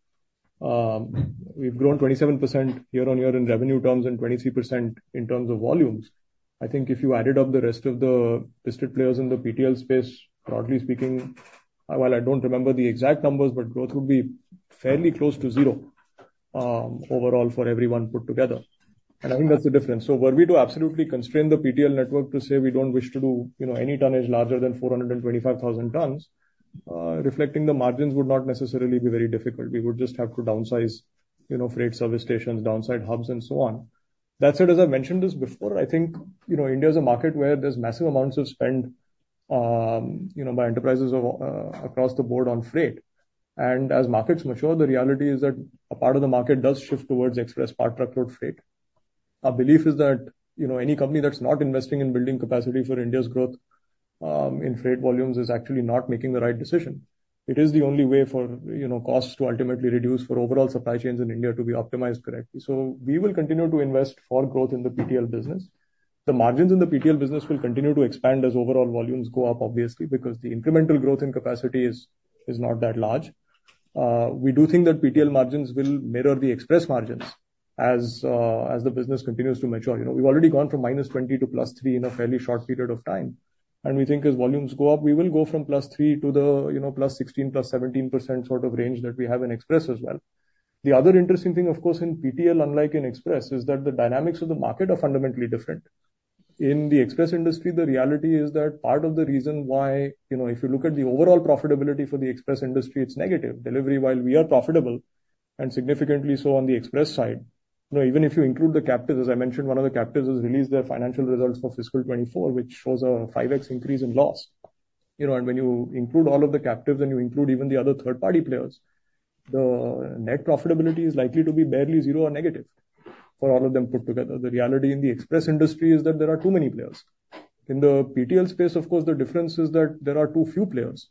We've grown 27% year on year in revenue terms and 23% in terms of volumes. I think if you added up the rest of the listed players in the PTL space, broadly speaking, while I don't remember the exact numbers, but growth would be fairly close to zero overall for everyone put together. And I think that's the difference. So were we to absolutely constrain the PTL network to say we don't wish to do any tonnage larger than 425,000 tons, reflecting the margins would not necessarily be very difficult. We would just have to downsize freight service stations, downsize hubs, and so on. That said, as I mentioned this before, I think India is a market where there's massive amounts of spend by enterprises across the board on freight, and as markets mature, the reality is that a part of the market does shift towards express part truckload freight. Our belief is that any company that's not investing in building capacity for India's growth in freight volumes is actually not making the right decision. It is the only way for costs to ultimately reduce for overall supply chains in India to be optimized correctly, so we will continue to invest for growth in the PTL business. The margins in the PTL business will continue to expand as overall volumes go up, obviously, because the incremental growth in capacity is not that large. We do think that PTL margins will mirror the express margins as the business continues to mature. We've already gone from -20% to +3% in a fairly short period of time, and we think as volumes go up, we will go from +3% to the +16% to +17% sort of range that we have in express as well. The other interesting thing, of course, in PTL, unlike in express, is that the dynamics of the market are fundamentally different. In the express industry, the reality is that part of the reason why, if you look at the overall profitability for the express industry, it's negative. Delhivery, while we are profitable and significantly so on the express side, even if you include the captives, as I mentioned, one of the captives has released their financial results for fiscal 2024, which shows a 5x increase in loss. When you include all of the captives and you include even the other third-party players, the net profitability is likely to be barely zero or negative for all of them put together. The reality in the express industry is that there are too many players. In the PTL space, of course, the difference is that there are too few players.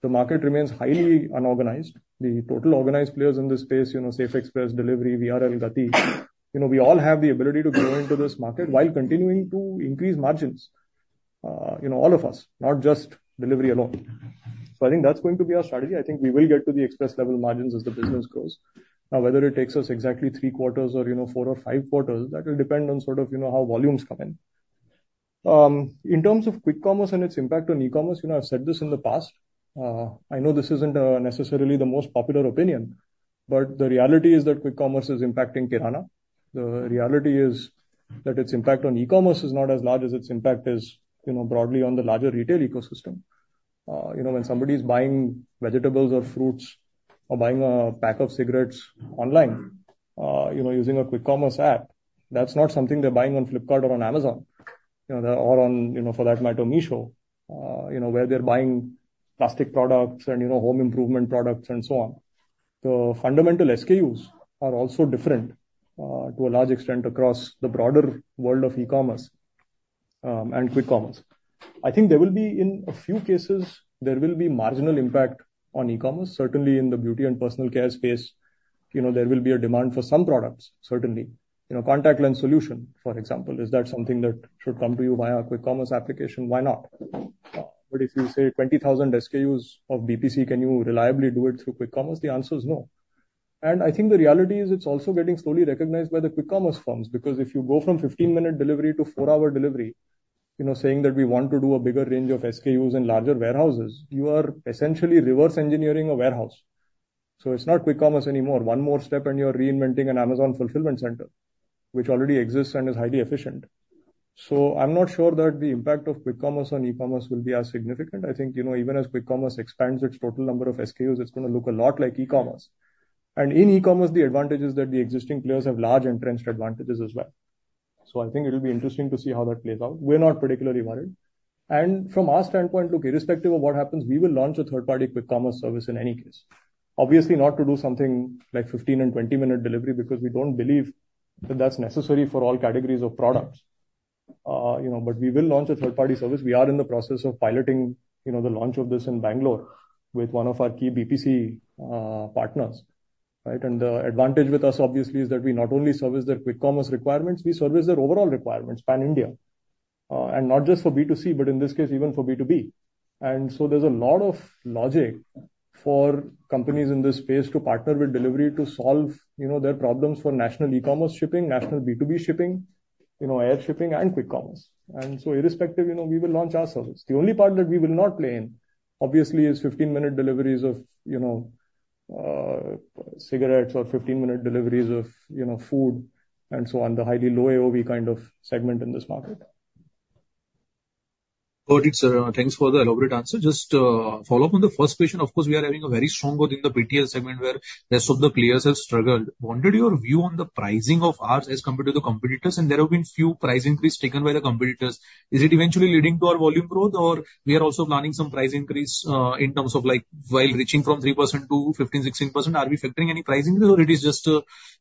The market remains highly unorganized. The total organized players in this space, Safexpress, Delhivery, VRL, Gati, we all have the ability to grow into this market while continuing to increase margins, all of us, not just Delhivery alone. So I think that's going to be our strategy. I think we will get to the express level margins as the business grows. Now, whether it takes us exactly three quarters or four or five quarters, that will depend on sort of how volumes come in. In terms of quick commerce and its impact on e-commerce, I've said this in the past. I know this isn't necessarily the most popular opinion, but the reality is that quick commerce is impacting Kirana. The reality is that its impact on e-commerce is not as large as its impact is broadly on the larger retail ecosystem. When somebody is buying vegetables or fruits or buying a pack of cigarettes online using a quick commerce app, that's not something they're buying on Flipkart or on Amazon or on, for that matter, Meesho where they're buying plastic products and home improvement products and so on. The fundamental SKUs are also different to a large extent across the broader world of e-commerce and quick commerce. I think there will be, in a few cases, there will be marginal impact on e-commerce. Certainly, in the beauty and personal care space, there will be a demand for some products, certainly. Contact lens solution, for example, is that something that should come to you via a quick commerce application? Why not? But if you say 20,000 SKUs of BPC, can you reliably do it through quick commerce? The answer is no. And I think the reality is it's also getting slowly recognized by the quick commerce firms because if you go from 15-minute delivery to 4-hour delivery, saying that we want to do a bigger range of SKUs in larger warehouses, you are essentially reverse engineering a warehouse. So it's not quick commerce anymore. One more step and you're reinventing an Amazon fulfillment center, which already exists and is highly efficient. So I'm not sure that the impact of quick commerce on e-commerce will be as significant. I think even as quick commerce expands its total number of SKUs, it's going to look a lot like e-commerce, and in e-commerce, the advantage is that the existing players have large entrenched advantages as well, so I think it will be interesting to see how that plays out. We're not particularly worried, and from our standpoint, look, irrespective of what happens, we will launch a third-party quick commerce service in any case. Obviously, not to do something like 15- and 20-minute delivery because we don't believe that that's necessary for all categories of products, but we will launch a third-party service. We are in the process of piloting the launch of this in Bengaluru with one of our key BPC partners, and the advantage with us, obviously, is that we not only service their quick commerce requirements, we service their overall requirements pan-India. And not just for B2C, but in this case, even for B2B. And so there's a lot of logic for companies in this space to partner with Delhivery to solve their problems for national e-commerce shipping, national B2B shipping, air shipping, and quick commerce. And so irrespective, we will launch our service. The only part that we will not play in, obviously, is 15-minute deliveries of cigarettes or 15-minute deliveries of food and so on, the highly low AOV kind of segment in this market. Got it, sir. Thanks for the elaborate answer. Just to follow up on the first question, of course, we are having a very strong growth in the PTL segment where rest of the players have struggled. Wanted your view on the pricing of ours as compared to the competitors, and there have been few price increases taken by the competitors. Is it eventually leading to our volume growth, or we are also planning some price increase in terms of while reaching from 3% to 15, 16%? Are we factoring any price increase, or it is just,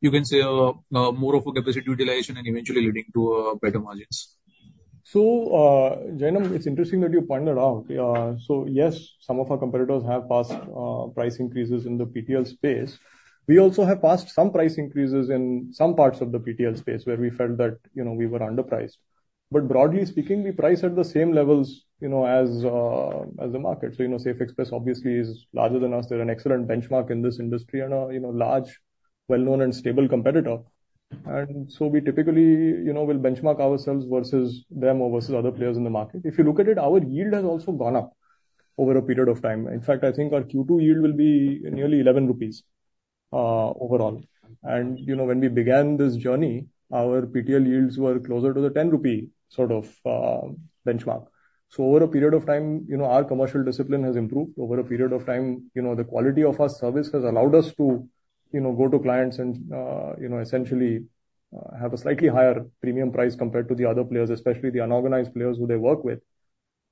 you can say, more of a capacity utilization and eventually leading to better margins? Janam, it's interesting that you pointed out. Yes, some of our competitors have passed price increases in the PTL space. We also have passed some price increases in some parts of the PTL space where we felt that we were underpriced. But broadly speaking, we price at the same levels as the market. Safexpress, obviously, is larger than us. They're an excellent benchmark in this industry and a large, well-known, and stable competitor. We typically will benchmark ourselves versus them or versus other players in the market. If you look at it, our yield has also gone up over a period of time. In fact, I think our Q2 yield will be nearly 11 rupees overall. And when we began this journey, our PTL yields were closer to the 10 rupee sort of benchmark. So over a period of time, our commercial discipline has improved. Over a period of time, the quality of our service has allowed us to go to clients and essentially have a slightly higher premium price compared to the other players, especially the unorganized players who they work with.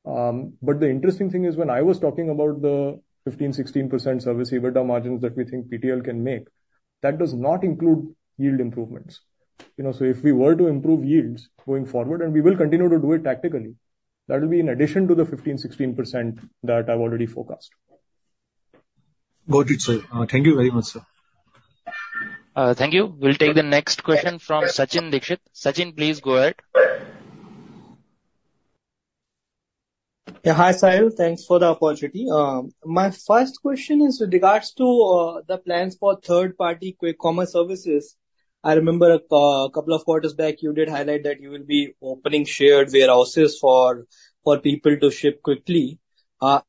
But the interesting thing is when I was talking about the 15%-16% service EBITDA margins that we think PTL can make, that does not include yield improvements. So if we were to improve yields going forward, and we will continue to do it tactically, that will be in addition to the 15%-16% that I've already forecast. Got it, sir. Thank you very much, sir. Thank you. We'll take the next question from Sachin Dixit. Sachin, please go ahead. Yeah, hi, Sahil. Thanks for the opportunity. My first question is with regards to the plans for third-party quick commerce services. I remember a couple of quarters back, you did highlight that you will be opening shared warehouses for people to ship quickly.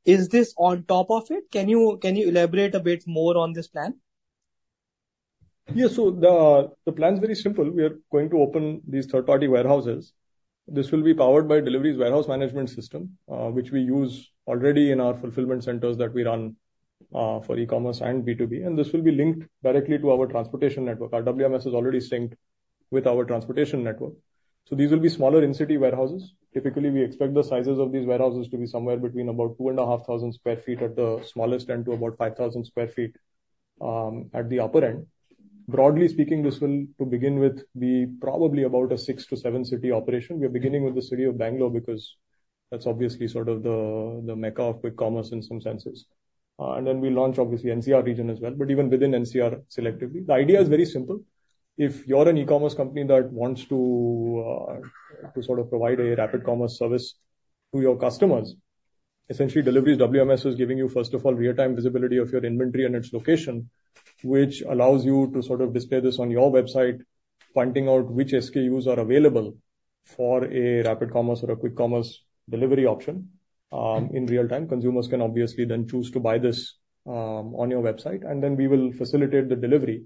Is this on top of it? Can you elaborate a bit more on this plan? Yeah, so the plan is very simple. We are going to open these third-party warehouses. This will be powered by Delhivery's warehouse management system, which we use already in our fulfillment centers that we run for e-commerce and B2B. This will be linked directly to our transportation network. Our WMS is already synced with our transportation network. So these will be smaller in-city warehouses. Typically, we expect the sizes of these warehouses to be somewhere between about 2,500 sq ft at the smallest end to about 5,000 sq ft at the upper end. Broadly speaking, this will, to begin with, be probably about a six to seven-city operation. We are beginning with the city of Bengaluru because that's obviously sort of the mecca of quick commerce in some senses. Then we launch, obviously, NCR region as well. Even within NCR selectively, the idea is very simple. If you're an e-commerce company that wants to sort of provide a rapid commerce service to your customers, essentially, Delhivery's WMS is giving you, first of all, real-time visibility of your inventory and its location, which allows you to sort of display this on your website, pointing out which SKUs are available for a rapid commerce or a quick commerce delivery option in real time. Consumers can obviously then choose to buy this on your website, and then we will facilitate the delivery.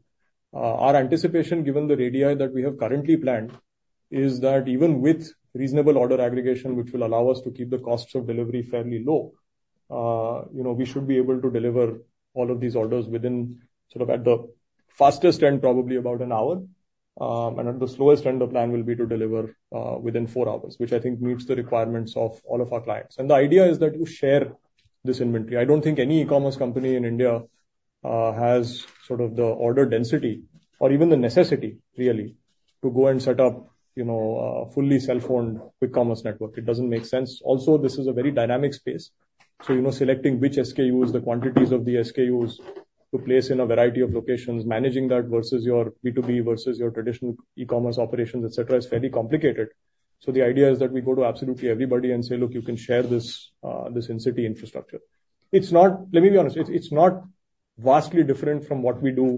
Our anticipation, given the READY-I that we have currently planned, is that even with reasonable order aggregation, which will allow us to keep the costs of delivery fairly low, we should be able to deliver all of these orders within sort of at the fastest end, probably about an hour. And at the slowest end, the plan will be to deliver within four hours, which I think meets the requirements of all of our clients. And the idea is that you share this inventory. I don't think any e-commerce company in India has sort of the order density or even the necessity, really, to go and set up a fully self-owned quick commerce network. It doesn't make sense. Also, this is a very dynamic space. So selecting which SKUs, the quantities of the SKUs to place in a variety of locations, managing that versus your B2B versus your traditional e-commerce operations, etc., is fairly complicated. So the idea is that we go to absolutely everybody and say, "Look, you can share this in-city infrastructure." Let me be honest, it's not vastly different from what we do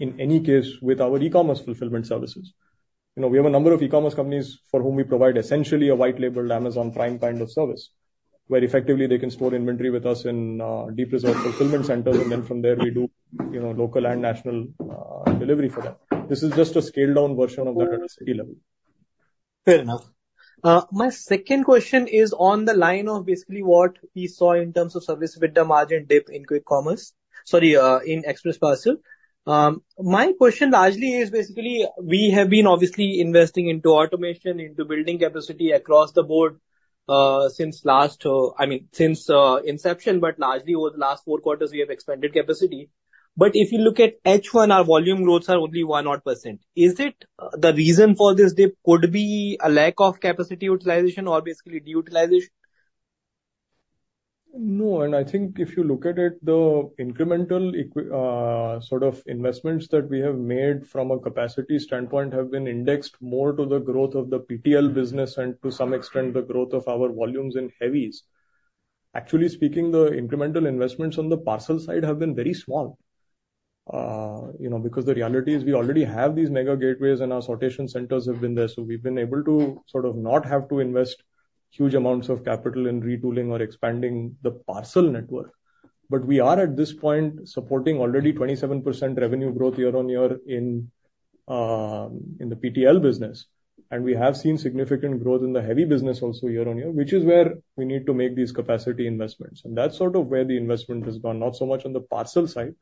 in any case with our e-commerce fulfillment services. We have a number of e-commerce companies for whom we provide essentially a white-labeled Amazon Prime kind of service where effectively they can store inventory with us in deep reserve fulfillment centers. And then from there, we do local and national delivery for them. This is just a scaled-down version of that at a city level. Fair enough. My second question is on the line of basically what we saw in terms of service with the margin dip in quick commerce, sorry, in express parcel. My question largely is basically we have been obviously investing into automation, into building capacity across the board since last, I mean, since inception, but largely over the last Q4, we have expanded capacity. But if you look at H1, our volume growths are only 1%. Is it the reason for this dip? Could it be a lack of capacity utilization or basically de-utilization? No, and I think if you look at it, the incremental sort of investments that we have made from a capacity standpoint have been indexed more to the growth of the PTL business and to some extent the growth of our volumes in heavies. Actually speaking, the incremental investments on the parcel side have been very small because the reality is we already have these mega gateways and our sortation centers have been there. So we've been able to sort of not have to invest huge amounts of capital in retooling or expanding the parcel network. But we are at this point supporting already 27% revenue growth year on year in the PTL business, and we have seen significant growth in the heavy business also year on year, which is where we need to make these capacity investments. That's sort of where the investment has gone, not so much on the parcel side.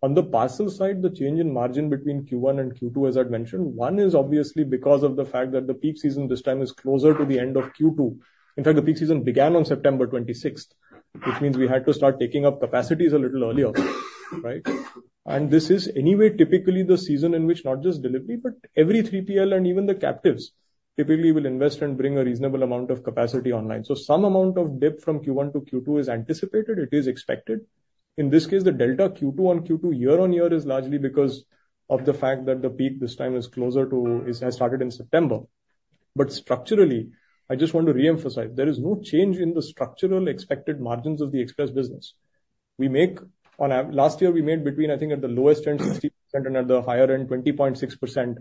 On the parcel side, the change in margin between Q1 and Q2, as I've mentioned, one is obviously because of the fact that the peak season this time is closer to the end of Q2. In fact, the peak season began on September 26th, which means we had to start taking up capacities a little earlier. And this is anyway typically the season in which not just Delhivery, but every 3PL and even the captives typically will invest and bring a reasonable amount of capacity online. So some amount of dip from Q1 to Q2 is anticipated. It is expected. In this case, the delta Q2 on Q2 year on year is largely because of the fact that the peak this time has started in September. But structurally, I just want to reemphasize, there is no change in the structural expected margins of the express business. Last year, we made between, I think, at the lowest end 60% and at the higher end 20.6%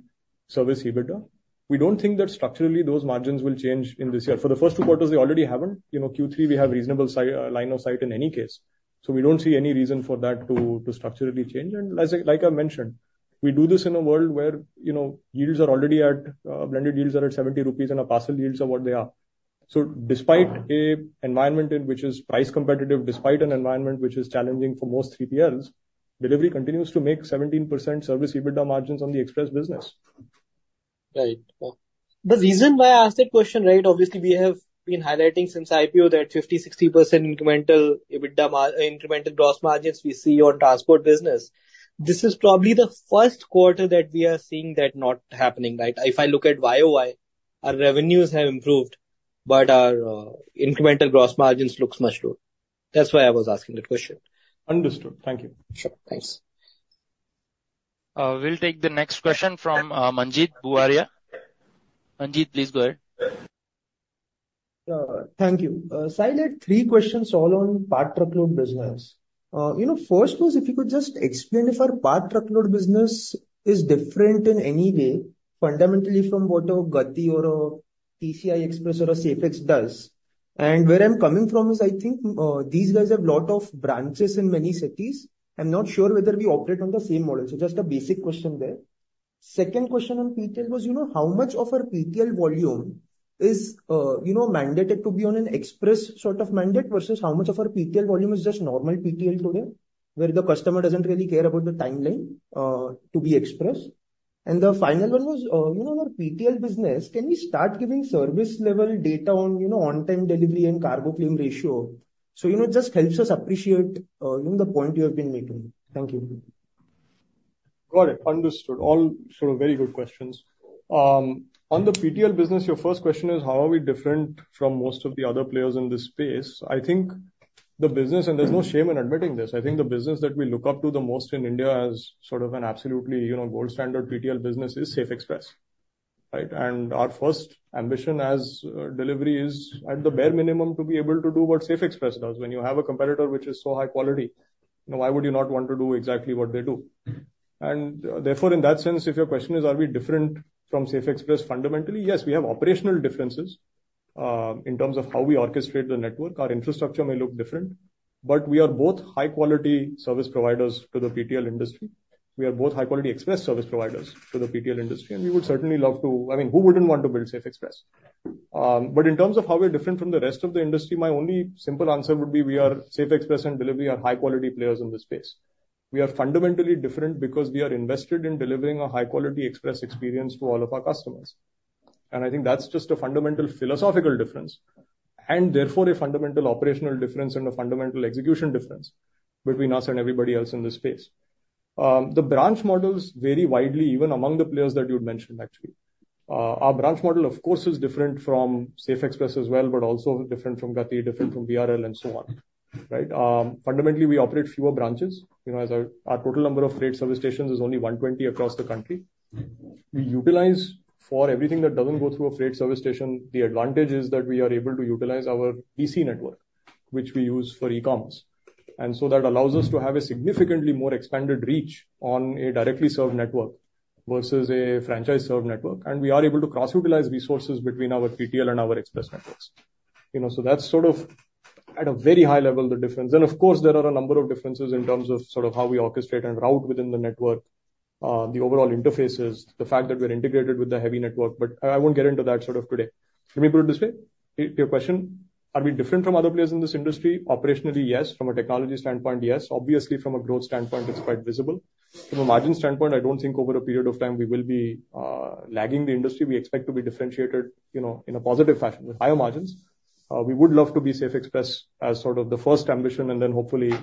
service EBITDA. We don't think that structurally those margins will change in this year. For the first two quarters, they already happened. Q3, we have a reasonable line of sight in any case. So we don't see any reason for that to structurally change. And like I mentioned, we do this in a world where yields are already at blended yields are at 70 rupees and our parcel yields are what they are. So despite an environment which is price competitive, despite an environment which is challenging for most 3PLs, Delhivery continues to make 17% service EBITDA margins on the express business. Right. The reason why I asked that question, right? Obviously we have been highlighting since IPO that 50%-60% incremental gross margins we see on transport business. This is probably the Q1 that we are seeing that not happening, right? If I look at YoY, our revenues have improved, but our incremental gross margins look much lower. That's why I was asking that question. Understood. Thank you. Sure. Thanks. We'll take the next question from Manjeet Buaria. Manjeet, please go ahead. Thank you. Sahil, I had three questions all on part truckload business. First was if you could just explain if our part truckload business is different in any way fundamentally from what a Gati or a TCI Express or a Safexpress does, and where I'm coming from is I think these guys have a lot of branches in many cities. I'm not sure whether we operate on the same model. So just a basic question there. Second question on PTL was how much of our PTL volume is mandated to be on an express sort of mandate versus how much of our PTL volume is just normal PTL today where the customer doesn't really care about the timeline to be expressed. And the final one was our PTL business, can we start giving service-level data on on-time delivery and cargo claim ratio? So it just helps us appreciate the point you have been making. Thank you. Got it. Understood. All sorts of very good questions. On the PTL business, your first question is how are we different from most of the other players in this space? I think the business, and there's no shame in admitting this, I think the business that we look up to the most in India as sort of an absolutely gold standard PTL business is Safexpress. And our first ambition as Delhivery is at the bare minimum to be able to do what Safexpress does. When you have a competitor which is so high quality, why would you not want to do exactly what they do? And therefore, in that sense, if your question is are we different from Safexpress fundamentally, yes, we have operational differences in terms of how we orchestrate the network. Our infrastructure may look different, but we are both high-quality service providers to the PTL industry. We are both high-quality express service providers to the PTL industry. And we would certainly love to, I mean, who wouldn't want to build Safexpress? But in terms of how we are different from the rest of the industry, my only simple answer would be we are Safexpress and DTDC are high-quality players in this space. We are fundamentally different because we are invested in delivering a high-quality express experience to all of our customers. And I think that's just a fundamental philosophical difference and therefore a fundamental operational difference and a fundamental execution difference between us and everybody else in this space. The branch models vary widely even among the players that you'd mentioned, actually. Our branch model, of course, is different from Safexpress as well, but also different from Gati, different from VRL, and so on. Fundamentally, we operate fewer branches. Our total number of freight service stations is only 120 across the country. We utilize, for everything that doesn't go through a freight service station, the advantage is that we are able to utilize our DC network, which we use for e-commerce. And so that allows us to have a significantly more expanded reach on a directly served network versus a franchise-served network. And we are able to cross-utilize resources between our PTL and our express networks. So that's sort of at a very high level the difference. And of course, there are a number of differences in terms of sort of how we orchestrate and route within the network, the overall interfaces, the fact that we're integrated with the heavy network. But I won't get into that sort of today. Let me put it this way. To your question, are we different from other players in this industry? Operationally, yes. From a technology standpoint, yes. Obviously, from a growth standpoint, it's quite visible. From a margin standpoint, I don't think over a period of time we will be lagging the industry. We expect to be differentiated in a positive fashion with higher margins. We would love to be Safexpress as sort of the first ambition and then hopefully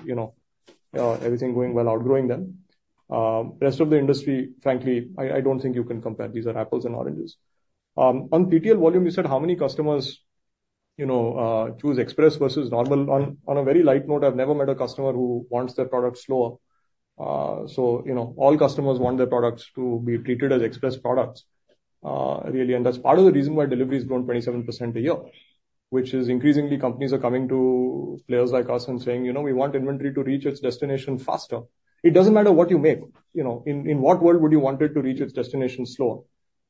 everything going well outgrowing them. Rest of the industry, frankly, I don't think you can compare. These are apples and oranges. On PTL volume, you said how many customers choose express versus normal? On a very light note, I've never met a customer who wants their product slower. So all customers want their products to be treated as express products, really. And that's part of the reason why Delhivery has grown 27% a year, which is increasingly companies are coming to players like us and saying, "We want inventory to reach its destination faster." It doesn't matter what you make. In what world would you want it to reach its destination slower?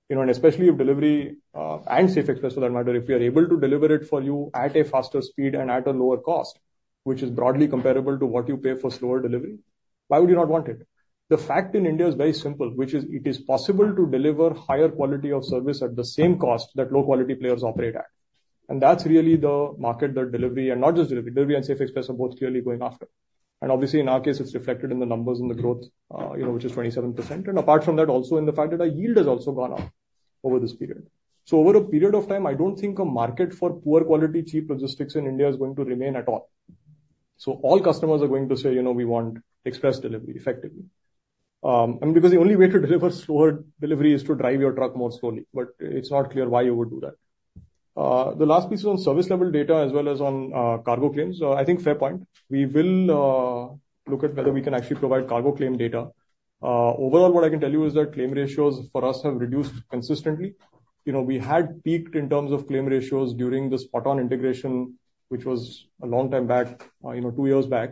And especially if Delhivery and Safexpress, for that matter, if we are able to deliver it for you at a faster speed and at a lower cost, which is broadly comparable to what you pay for slower delivery, why would you not want it? The fact in India is very simple, which is it is possible to deliver higher quality of service at the same cost that low-quality players operate at. And that's really the market that Delhivery and not just Delhivery, Delhivery and Safexpress are both clearly going after. And obviously, in our case, it's reflected in the numbers and the growth, which is 27%. And apart from that, also in the fact that our yield has also gone up over this period. So over a period of time, I don't think a market for poor-quality cheap logistics in India is going to remain at all. So all customers are going to say, "We want express delivery effectively." Because the only way to deliver slower delivery is to drive your truck more slowly. But it's not clear why you would do that. The last piece is on service-level data as well as on cargo claims. I think fair point. We will look at whether we can actually provide cargo claim data. Overall, what I can tell you is that claim ratios for us have reduced consistently. We had peaked in terms of claim ratios during the Spoton integration, which was a long time back, two years back.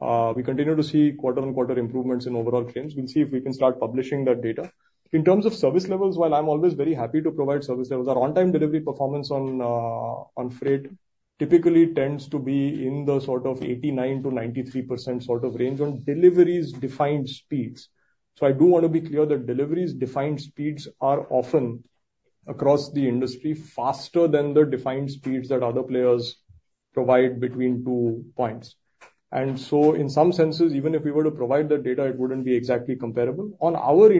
We continue to see quarter-on-quarter improvements in overall claims. We'll see if we can start publishing that data. In terms of service levels, while I'm always very happy to provide service levels, our on-time delivery performance on freight typically tends to be in the sort of 89%-93% sort of range on Delhivery's defined speeds. So I do want to be clear that Delhivery's defined speeds are often across the industry faster than the defined speeds that other players provide between two points. And so in some senses, even if we were to provide that data, it wouldn't be exactly comparable. On our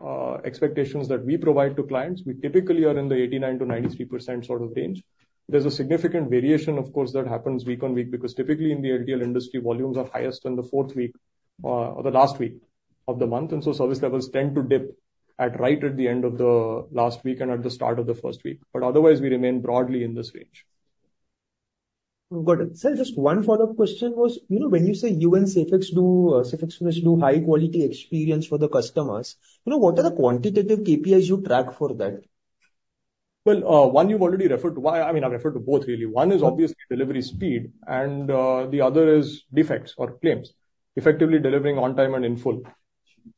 internal expectations that we provide to clients, we typically are in the 89%-93% sort of range. There's a significant variation, of course, that happens week on week because typically in the LTL industry, volumes are highest in the fourth week or the last week of the month. And so service levels tend to dip right at the end of the last week and at the start of the first week. But otherwise, we remain broadly in this range. Got it. Sahil, just one follow-up question was when you say you and Safex do high-quality experience for the customers, what are the quantitative KPIs you track for that? Well, one you've already referred to. I mean, I've referred to both, really. One is obviously delivery speed, and the other is defects or claims, effectively delivering on time and in full.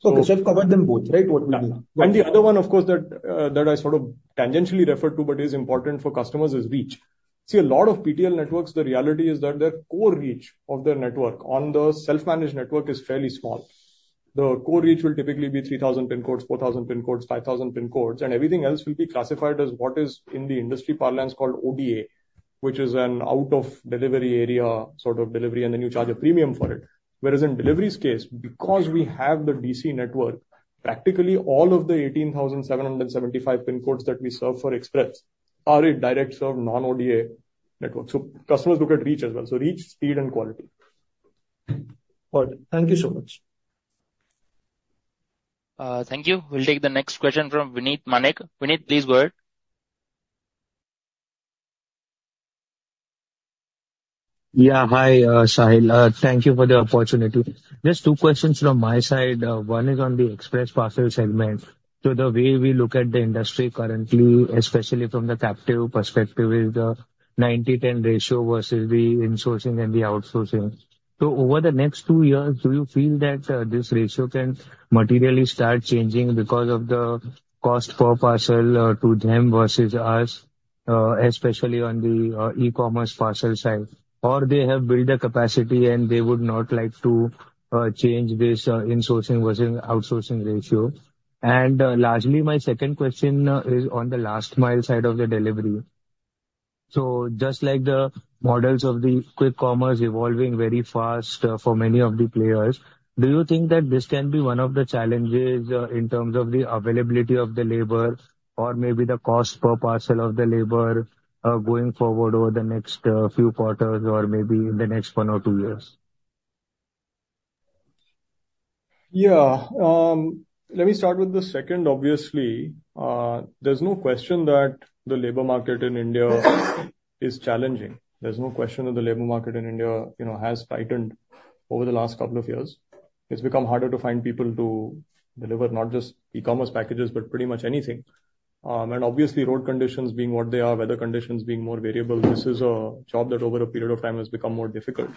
Okay. So you've covered them both, right? And the other one, of course, that I sort of tangentially referred to but is important for customers is reach. See, a lot of PTL networks, the reality is that their core reach of their network on the self-managed network is fairly small. The core reach will typically be 3,000 pin codes, 4,000 pin codes, 5,000 pin codes, and everything else will be classified as what is in the industry parlance called ODA, which is an out-of-delivery area sort of delivery, and then you charge a premium for it. Whereas in Delhivery's case, because we have the DC network, practically all of the 18,775 pin codes that we serve for express are a direct-served non-ODA network. So customers look at reach as well. So reach, speed, and quality. Got it. Thank you so much. Thank you. We'll take the next question from Vineet Manek. Vineet, please go ahead. Yeah. Hi, Sahil. Thank you for the opportunity. Just two questions from my side. One is on the express parcel segment. So the way we look at the industry currently, especially from the captive perspective, is the 90-10 ratio versus the insourcing and the outsourcing. So over the next two years, do you feel that this ratio can materially start changing because of the cost per parcel to them versus us, especially on the e-commerce parcel side? Or they have built a capacity and they would not like to change this insourcing versus outsourcing ratio? And largely, my second question is on the last mile side of the delivery. So just like the models of the quick commerce evolving very fast for many of the players, do you think that this can be one of the challenges in terms of the availability of the labor or maybe the cost per parcel of the labor going forward over the next few quarters or maybe in the next one or two years? Yeah. Let me start with the second, obviously. There's no question that the labor market in India is challenging. There's no question that the labor market in India has tightened over the last couple of years. It's become harder to find people to deliver not just e-commerce packages, but pretty much anything. And obviously, road conditions being what they are, weather conditions being more variable, this is a job that over a period of time has become more difficult.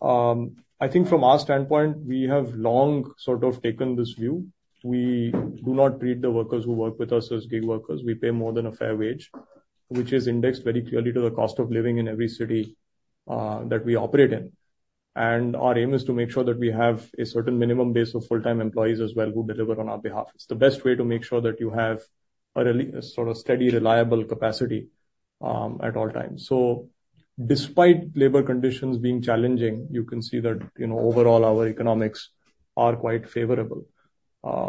I think from our standpoint, we have long sort of taken this view. We do not treat the workers who work with us as gig workers. We pay more than a fair wage, which is indexed very clearly to the cost of living in every city that we operate in. And our aim is to make sure that we have a certain minimum base of full-time employees as well who deliver on our behalf. It's the best way to make sure that you have a sort of steady, reliable capacity at all times. So despite labor conditions being challenging, you can see that overall our economics are quite favorable.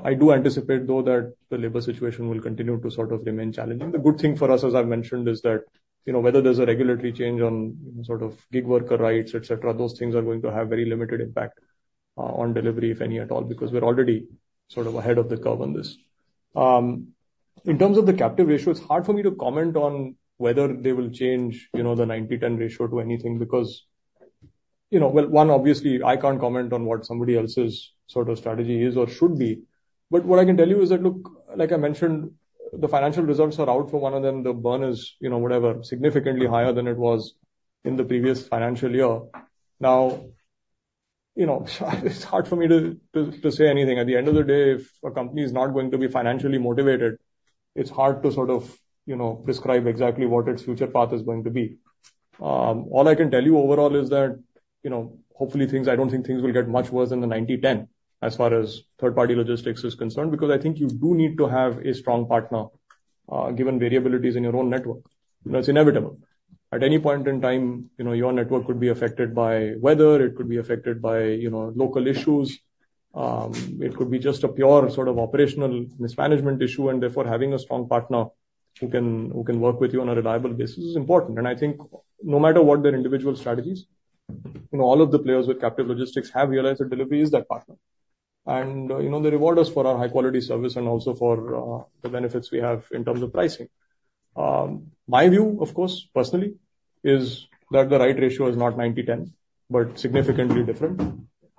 I do anticipate, though, that the labor situation will continue to sort of remain challenging. The good thing for us, as I've mentioned, is that whether there's a regulatory change on sort of gig worker rights, etc., those things are going to have very limited impact on delivery, if any at all, because we're already sort of ahead of the curve on this. In terms of the captive ratio, it's hard for me to comment on whether they will change the 90-10 ratio to anything because, well, one, obviously, I can't comment on what somebody else's sort of strategy is or should be. But what I can tell you is that, look, like I mentioned, the financial results are out for one of them. The burn is, whatever, significantly higher than it was in the previous financial year. Now, it's hard for me to say anything. At the end of the day, if a company is not going to be financially motivated, it's hard to sort of describe exactly what its future path is going to be. All I can tell you overall is that hopefully, I don't think things will get much worse than the 90-10 as far as third-party logistics is concerned because I think you do need to have a strong partner given variabilities in your own network. It's inevitable. At any point in time, your network could be affected by weather. It could be affected by local issues. It could be just a pure sort of operational mismanagement issue. And therefore, having a strong partner who can work with you on a reliable basis is important. And I think no matter what their individual strategies, all of the players with captive logistics have realized that delivery is that partner. And they reward us for our high-quality service and also for the benefits we have in terms of pricing. My view, of course, personally, is that the right ratio is not 90-10, but significantly different.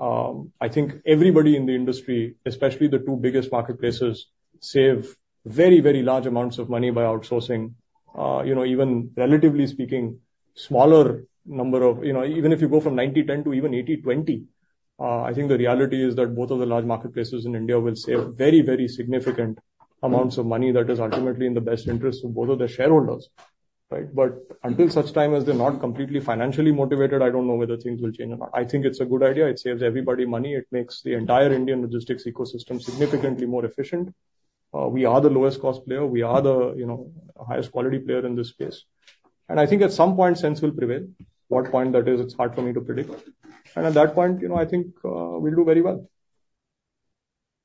I think everybody in the industry, especially the two biggest marketplaces, save very, very large amounts of money by outsourcing, even relatively speaking, smaller number of even if you go from 90-10 to even 80-20. I think the reality is that both of the large marketplaces in India will save very, very significant amounts of money that is ultimately in the best interest of both of their shareholders. But until such time as they're not completely financially motivated, I don't know whether things will change or not. I think it's a good idea. It saves everybody money. It makes the entire Indian logistics ecosystem significantly more efficient. We are the lowest-cost player. We are the highest-quality player in this space. And I think at some point, sense will prevail. What point that is, it's hard for me to predict. And at that point, I think we'll do very well.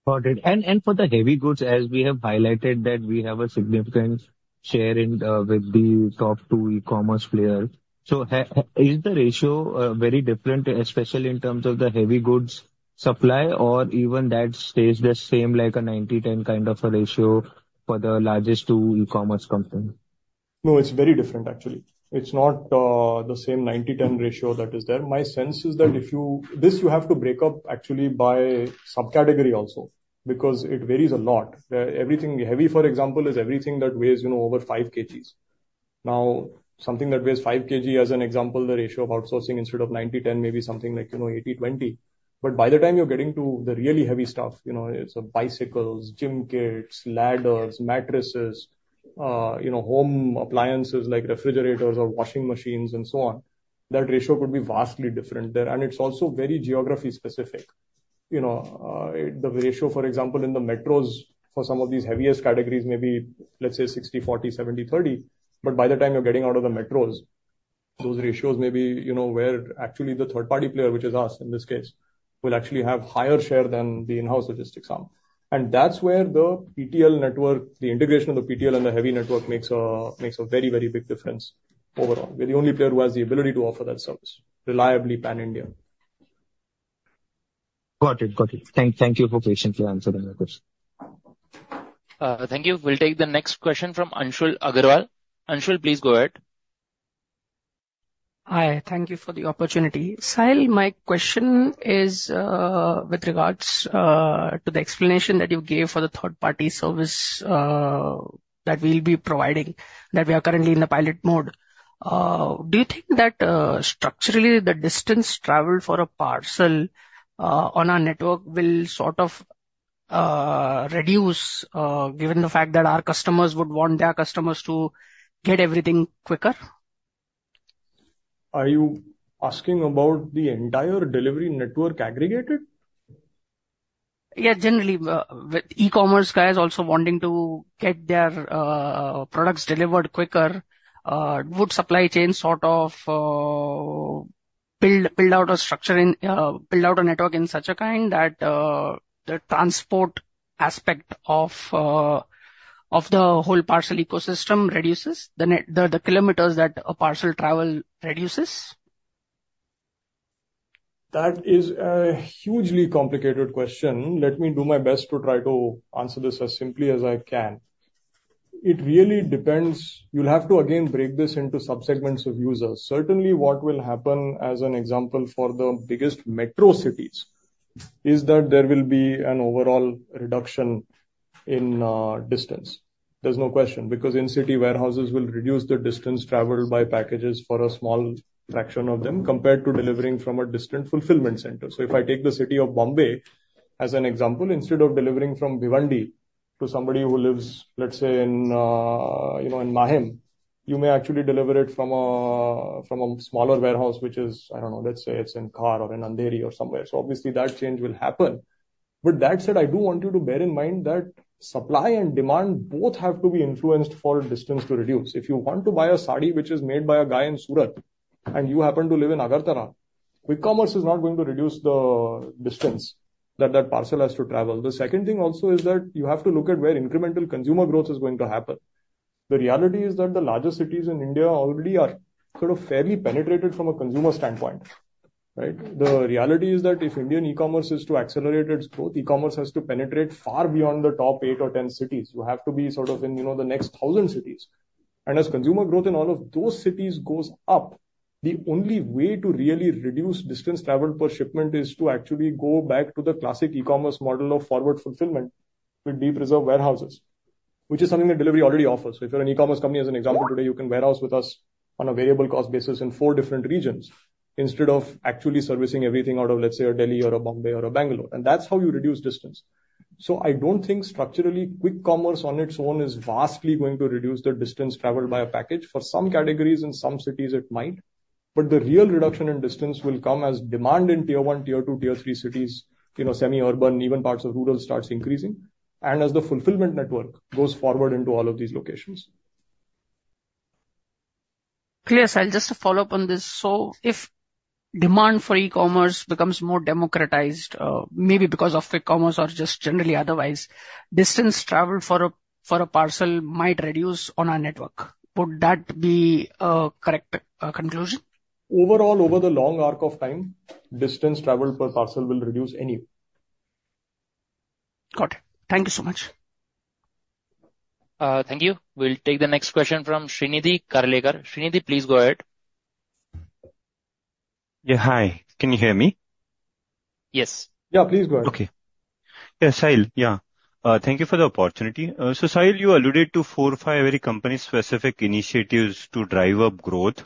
Got it. And for the heavy goods, as we have highlighted that we have a significant share with the top two e-commerce players. So is the ratio very different, especially in terms of the heavy goods supply, or even that stays the same, like a 90-10 kind of a ratio for the largest two e-commerce companies? No, it's very different, actually. It's not the same 90-10 ratio that is there. My sense is that this you have to break up, actually, by subcategory also because it varies a lot. Everything heavy, for example, is everything that weighs over 5 kg. Now, something that weighs 5 kg, as an example, the ratio of outsourcing instead of 90-10 may be something like 80-20. But by the time you're getting to the really heavy stuff, it's bicycles, gym kits, ladders, mattresses, home appliances like refrigerators or washing machines and so on, that ratio could be vastly different there. And it's also very geography-specific. The ratio, for example, in the metros for some of these heaviest categories may be, let's say, 60-40, 70-30. But by the time you're getting out of the metros, those ratios may be where actually the third-party player, which is us in this case, will actually have a higher share than the in-house logistics are. And that's where the PTL network, the integration of the PTL and the heavy network makes a very, very big difference overall. We're the only player who has the ability to offer that service reliably pan-India. Got it. Got it. Thank you for patiently answering my question. Thank you. We'll take the next question from Anshul Agrawal. Anshul, please go ahead. Hi. Thank you for the opportunity. Sahil, my question is with regards to the explanation that you gave for the third-party service that we'll be providing, that we are currently in the pilot mode. Do you think that structurally, the distance traveled for a parcel on our network will sort of reduce given the fact that our customers would want their customers to get everything quicker? Are you asking about the entire delivery network aggregated? Yeah. Generally, with e-commerce guys also wanting to get their products delivered quicker, would supply chains sort of build out a structure, build out a network in such a kind that the transport aspect of the whole parcel ecosystem reduces, the kilometers that a parcel travels reduces? That is a hugely complicated question. Let me do my best to try to answer this as simply as I can. It really depends. You'll have to, again, break this into subsegments of users. Certainly, what will happen, as an example, for the biggest metro cities is that there will be an overall reduction in distance. There's no question because in-city warehouses will reduce the distance traveled by packages for a small fraction of them compared to delivering from a distant fulfillment center. So if I take the city of Mumbai as an example, instead of delivering from Bhiwandi to somebody who lives, let's say, in Mahim, you may actually deliver it from a smaller warehouse, which is, I don't know, let's say it's in Khar or in Andheri or somewhere. So obviously, that change will happen. But that said, I do want you to bear in mind that supply and demand both have to be influenced for distance to reduce. If you want to buy a sari which is made by a guy in Surat and you happen to live in Agartala, quick commerce is not going to reduce the distance that that parcel has to travel. The second thing also is that you have to look at where incremental consumer growth is going to happen. The reality is that the largest cities in India already are sort of fairly penetrated from a consumer standpoint. The reality is that if Indian e-commerce is to accelerate its growth, e-commerce has to penetrate far beyond the top eight or 10 cities. You have to be sort of in the next 1,000 cities, and as consumer growth in all of those cities goes up, the only way to really reduce distance traveled per shipment is to actually go back to the classic e-commerce model of forward fulfillment with deep reserve warehouses, which is something that Delhivery already offers, so if you're an e-commerce company, as an example, today, you can warehouse with us on a variable cost basis in four different regions instead of actually servicing everything out of, let's say, a Delhi or a Bombay or a Bangalore, and that's how you reduce distance. So I don't think structurally quick commerce on its own is vastly going to reduce the distance traveled by a package. For some categories in some cities, it might. But the real reduction in distance will come as demand in tier one, tier two, tier three cities, semi-urban, even parts of rural starts increasing, and as the fulfillment network goes forward into all of these locations. Clear, Sahil. Just to follow up on this. So if demand for e-commerce becomes more democratized, maybe because of quick commerce or just generally otherwise, distance traveled for a parcel might reduce on our network. Would that be a correct conclusion? Overall, over the long arc of time, distance traveled per parcel will reduce anyway. Got it. Thank you so much. Thank you. We'll take the next question from Shrinidhi Karlekar. Srinidhi, please go ahead. Yeah. Hi. Can you hear me? Yes. Yeah. Please go ahead. Okay. Yeah. Sahil, yeah. Thank you for the opportunity. So Sahil, you alluded to four or five very company-specific initiatives to drive up growth,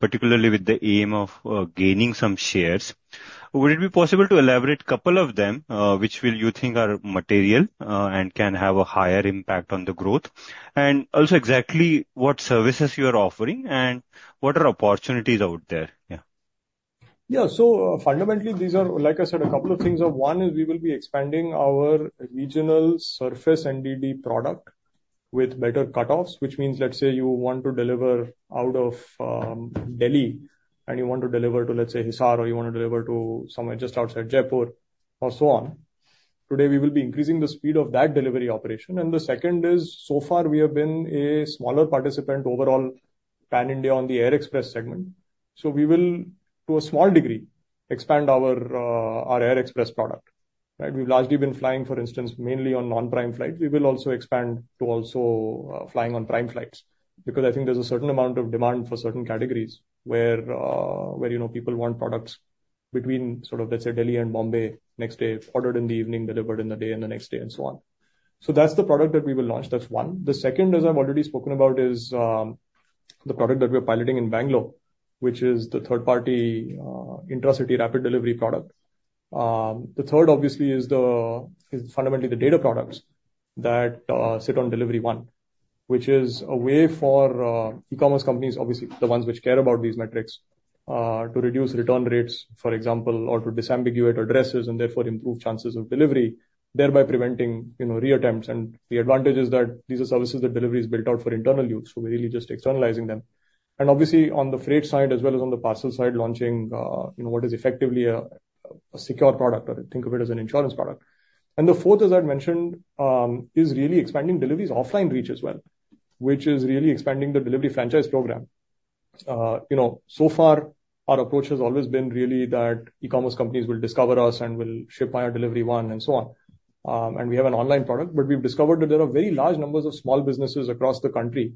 particularly with the aim of gaining some shares. Would it be possible to elaborate a couple of them which you think are material and can have a higher impact on the growth? And also exactly what services you are offering and what are opportunities out there? Yeah. Yeah. So fundamentally, these are, like I said, a couple of things. One is we will be expanding our regional surface NDD product with better cutoffs, which means, let's say you want to deliver out of Delhi and you want to deliver to, let's say, Hisar or you want to deliver to somewhere just outside Jaipur or so on. Today, we will be increasing the speed of that delivery operation. The second is, so far, we have been a smaller participant overall pan-India on the Air Express segment. So we will, to a small degree, expand our Air Express product. We've largely been flying, for instance, mainly on non-prime flights. We will also expand to also flying on prime flights because I think there's a certain amount of demand for certain categories where people want products between sort of, let's say, Delhi and Mumbai next day, ordered in the evening, delivered in the day and the next day and so on. So that's the product that we will launch. That's one. The second, as I've already spoken about, is the product that we're piloting in Bengaluru, which is the third-party intra-city rapid delivery product. The third, obviously, is fundamentally the data products that sit on Delhivery One, which is a way for e-commerce companies, obviously, the ones which care about these metrics, to reduce return rates, for example, or to disambiguate addresses and therefore improve chances of delivery, thereby preventing reattempts, and the advantage is that these are services that Delhivery is built out for internal use, so we're really just externalizing them, and obviously, on the freight side as well as on the parcel side, launching what is effectively a secure product, or think of it as an insurance product, and the fourth, as I've mentioned, is really expanding Delhivery's offline reach as well, which is really expanding the Delhivery franchise program, so far, our approach has always been really that e-commerce companies will discover us and will ship via Delhivery One and so on. We have an online product, but we've discovered that there are very large numbers of small businesses across the country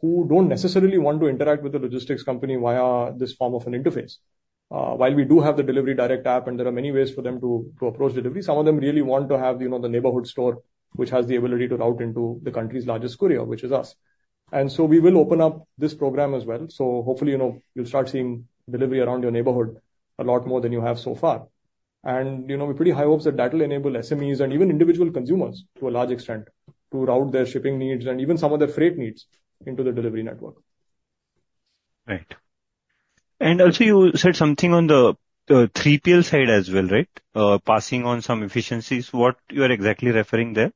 who don't necessarily want to interact with a logistics company via this form of an interface. While we do have the Delhivery Direct app and there are many ways for them to approach Delhivery, some of them really want to have the neighborhood store which has the ability to route into the country's largest courier, which is us. We will open up this program as well. Hopefully, you'll start seeing Delhivery around your neighborhood a lot more than you have so far. We have pretty high hopes that that will enable SMEs and even individual consumers to a large extent to route their shipping needs and even some of their freight needs into the Delhivery network. Right. And also, you said something on the 3PL side as well, right? Passing on some efficiencies. What are you exactly referring to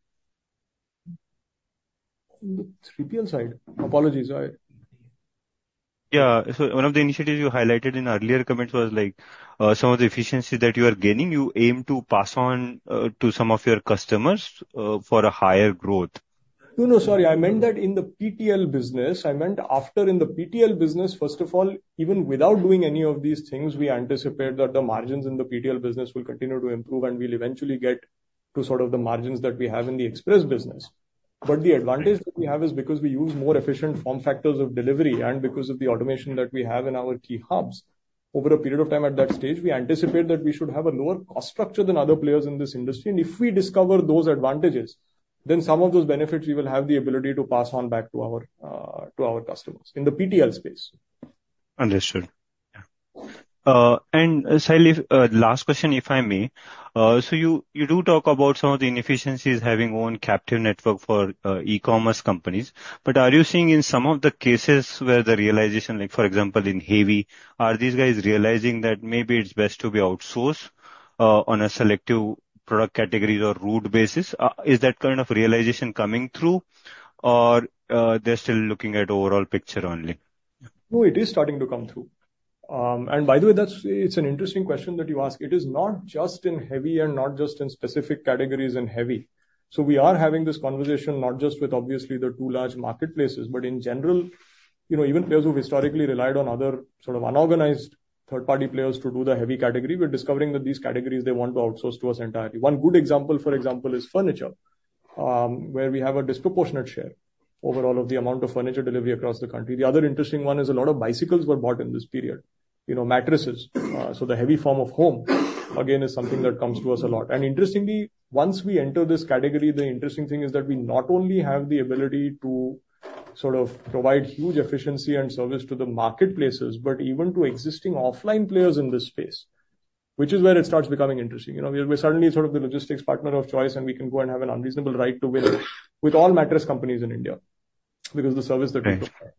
there? 3PL side? Apologies. Yeah. So one of the initiatives you highlighted in earlier comments was some of the efficiencies that you are gaining. You aim to pass on to some of your customers for a higher growth. No, no. Sorry. I meant that in the PTL business. I meant after in the PTL business. First of all, even without doing any of these things, we anticipate that the margins in the PTL business will continue to improve and we'll eventually get to sort of the margins that we have in the express business. But the advantage that we have is because we use more efficient form factors of delivery and because of the automation that we have in our key hubs. Over a period of time at that stage, we anticipate that we should have a lower cost structure than other players in this industry. And if we discover those advantages, then some of those benefits we will have the ability to pass on back to our customers in the PTL space. Understood. Yeah. And Sahil, last question, if I may. So you do talk about some of the inefficiencies having owned captive network for e-commerce companies. But are you seeing in some of the cases where the realization, for example, in heavy, are these guys realizing that maybe it's best to be outsourced on a selective product category or route basis? Is that kind of realization coming through, or they're still looking at overall picture only? No, it is starting to come through. And by the way, it's an interestiQng question that you ask. It is not just in heavy and not just in specific categories in heavy. So we are having this conversation not just with, obviously, the two large marketplaces, but in general, even players who historically relied on other sort of unorganized third-party players to do the heavy category. We're discovering that these categories, they want to outsource to us entirely. One good example, for example, is furniture, where we have a disproportionate share overall of the amount of furniture delivery across the country. The other interesting one is a lot of bicycles were bought in this period, mattresses. So the heavy form of home, again, is something that comes to us a lot. And interestingly, once we enter this category, the interesting thing is that we not only have the ability to sort of provide huge efficiency and service to the marketplaces, but even to existing offline players in this space, which is where it starts becoming interesting. We're suddenly sort of the logistics partner of choice, and we can go and have an unreasonable right to win with all mattress companies in India because of the service that we provide.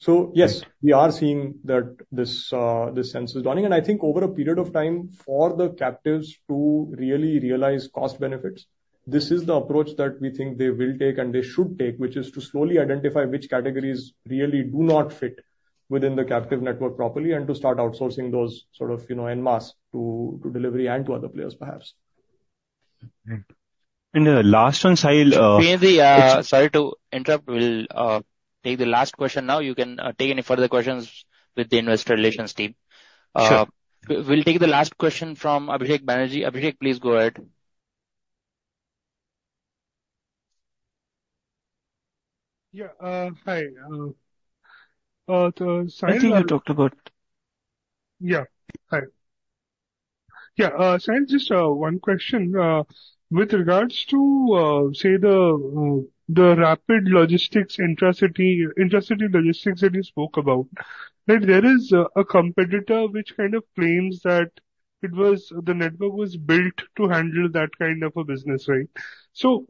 So yes, we are seeing that this sense is dawning. And I think over a period of time for the captives to really realize cost benefits, this is the approach that we think they will take and they should take, which is to slowly identify which categories really do not fit within the captive network properly and to start outsourcing those sort of en masse to delivery and to other players, perhaps. And last one, Sahil. Srinidhi, sorry to interrupt. We'll take the last question now. You can take any further questions with the investor relations team. We'll take the last question from Abhishek Banerjee. Abhishek, please go ahead. Yeah. Hi. Sahil, just one question. With regards to, say, the rapid logistics intra-city logistics that you spoke about, there is a competitor which kind of claims that the network was built to handle that kind of a business, right? So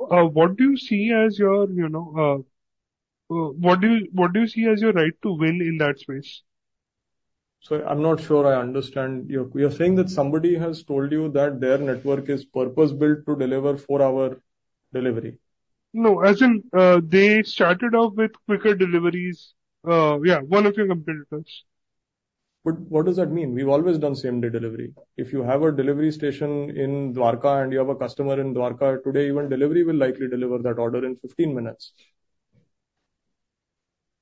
what do you see as your right to win in that space? Sorry, I'm not sure I understand. You're saying that somebody has told you that their network is purpose-built to deliver four-hour delivery? No. As in they started off with quicker deliveries. Yeah, one of your competitors. But what does that mean? We've always done same-day delivery. If you have a delivery station in Dwarka and you have a customer in Dwarka, today, even Delhivery will likely deliver that order in 15 minutes.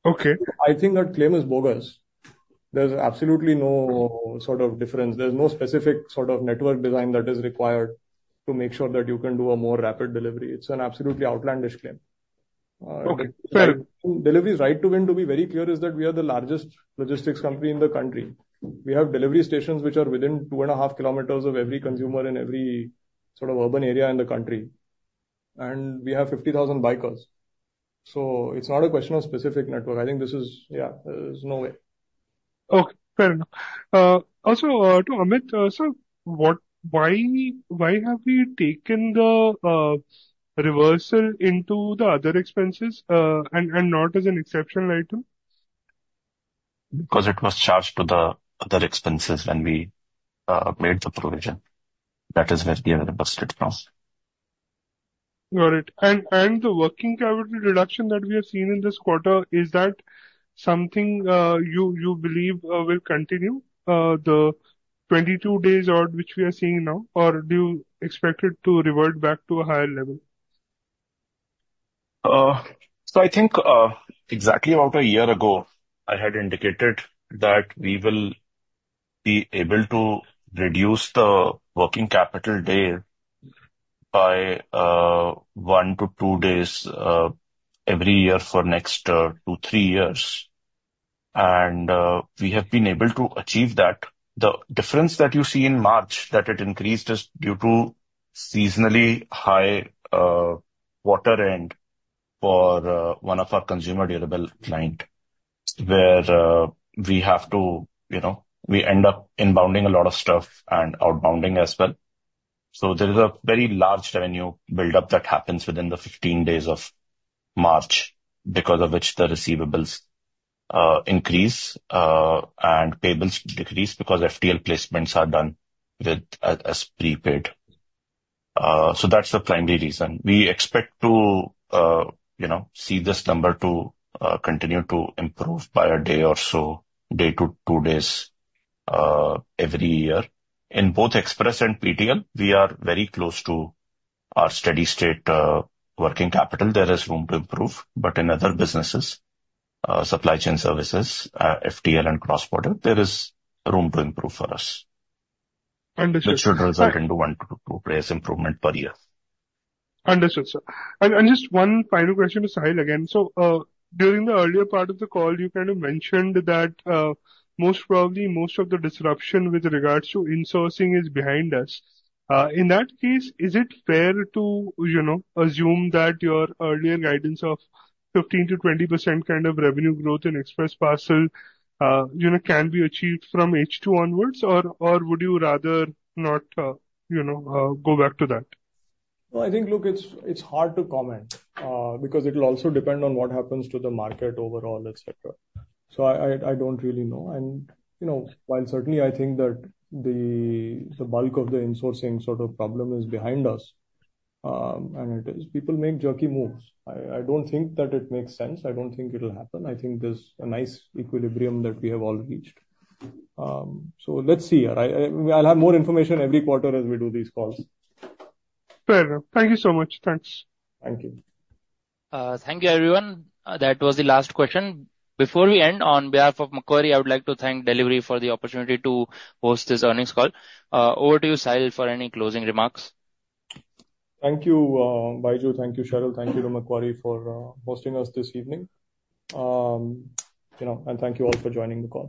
Okay. I think that claim is bogus. There's absolutely no sort of difference. There's no specific sort of network design that is required to make sure that you can do a more rapid delivery. It's an absolutely outlandish claim. Okay. Fair. Delhivery's right to win, to be very clear, is that we are the largest logistics company in the country. We have delivery stations which are within two and a half kilometers of every consumer in every sort of urban area in the country. And we have 50,000 bikers. So it's not a question of specific network. I think this is, yeah, there's no way. Okay. Fair enough. Also, to Amit, so why have we taken the reversal into the other expenses and not as an exceptional item? Because it was charged to the other expenses when we made the provision. That is where the other bust came from. Got it. And the working capital reduction that we have seen in this quarter, is that something you believe will continue, the 22 days odd which we are seeing now, or do you expect it to revert back to a higher level? So I think exactly about a year ago, I had indicated that we will be able to reduce the working capital day by one to two days every year for next two, three years. And we have been able to achieve that. The difference that you see in March that it increased is due to seasonally high-water end for one of our consumer durable client, where we have to end up inbounding a lot of stuff and outbounding as well. So there is a very large revenue buildup that happens within the 15 days of March because of which the receivables increase and payables decrease because FTL placements are done as prepaid. So that's the primary reason. We expect to see this number to continue to improve by a day or so, day to two days every year. In both express and PTL, we are very close to our steady-state working capital. There is room to improve. But in other businesses, supply chain services, FTL, and cross-border, there is room to improve for us, which should result in one to two days' improvement per year. Understood, sir. Just one final question to Sahil again. During the earlier part of the call, you kind of mentioned that most probably most of the disruption with regards to insourcing is behind us. In that case, is it fair to assume that your earlier guidance of 15%-20% kind of revenue growth in express parcel can be achieved from H2 onwards, or would you rather not go back to that? I think, look, it's hard to comment because it will also depend on what happens to the market overall, etc. I don't really know. While certainly I think that the bulk of the insourcing sort of problem is behind us, and it is, people make jerky moves. I don't think that it makes sense. I don't think it will happen. I think there's a nice equilibrium that we have all reached. Let's see. I'll have more information every quarter as we do these calls. Fair enough. Thank you so much. Thanks. Thank you. Thank you, everyone. That was the last question. Before we end, on behalf of Macquarie, I would like to thank Delhivery for the opportunity to host this earnings call. Over to you, Sahil, for any closing remarks. Thank you, Baiju. Thank you, Shahril. Thank you to Macquarie for hosting us this evening. And thank you all for joining the call.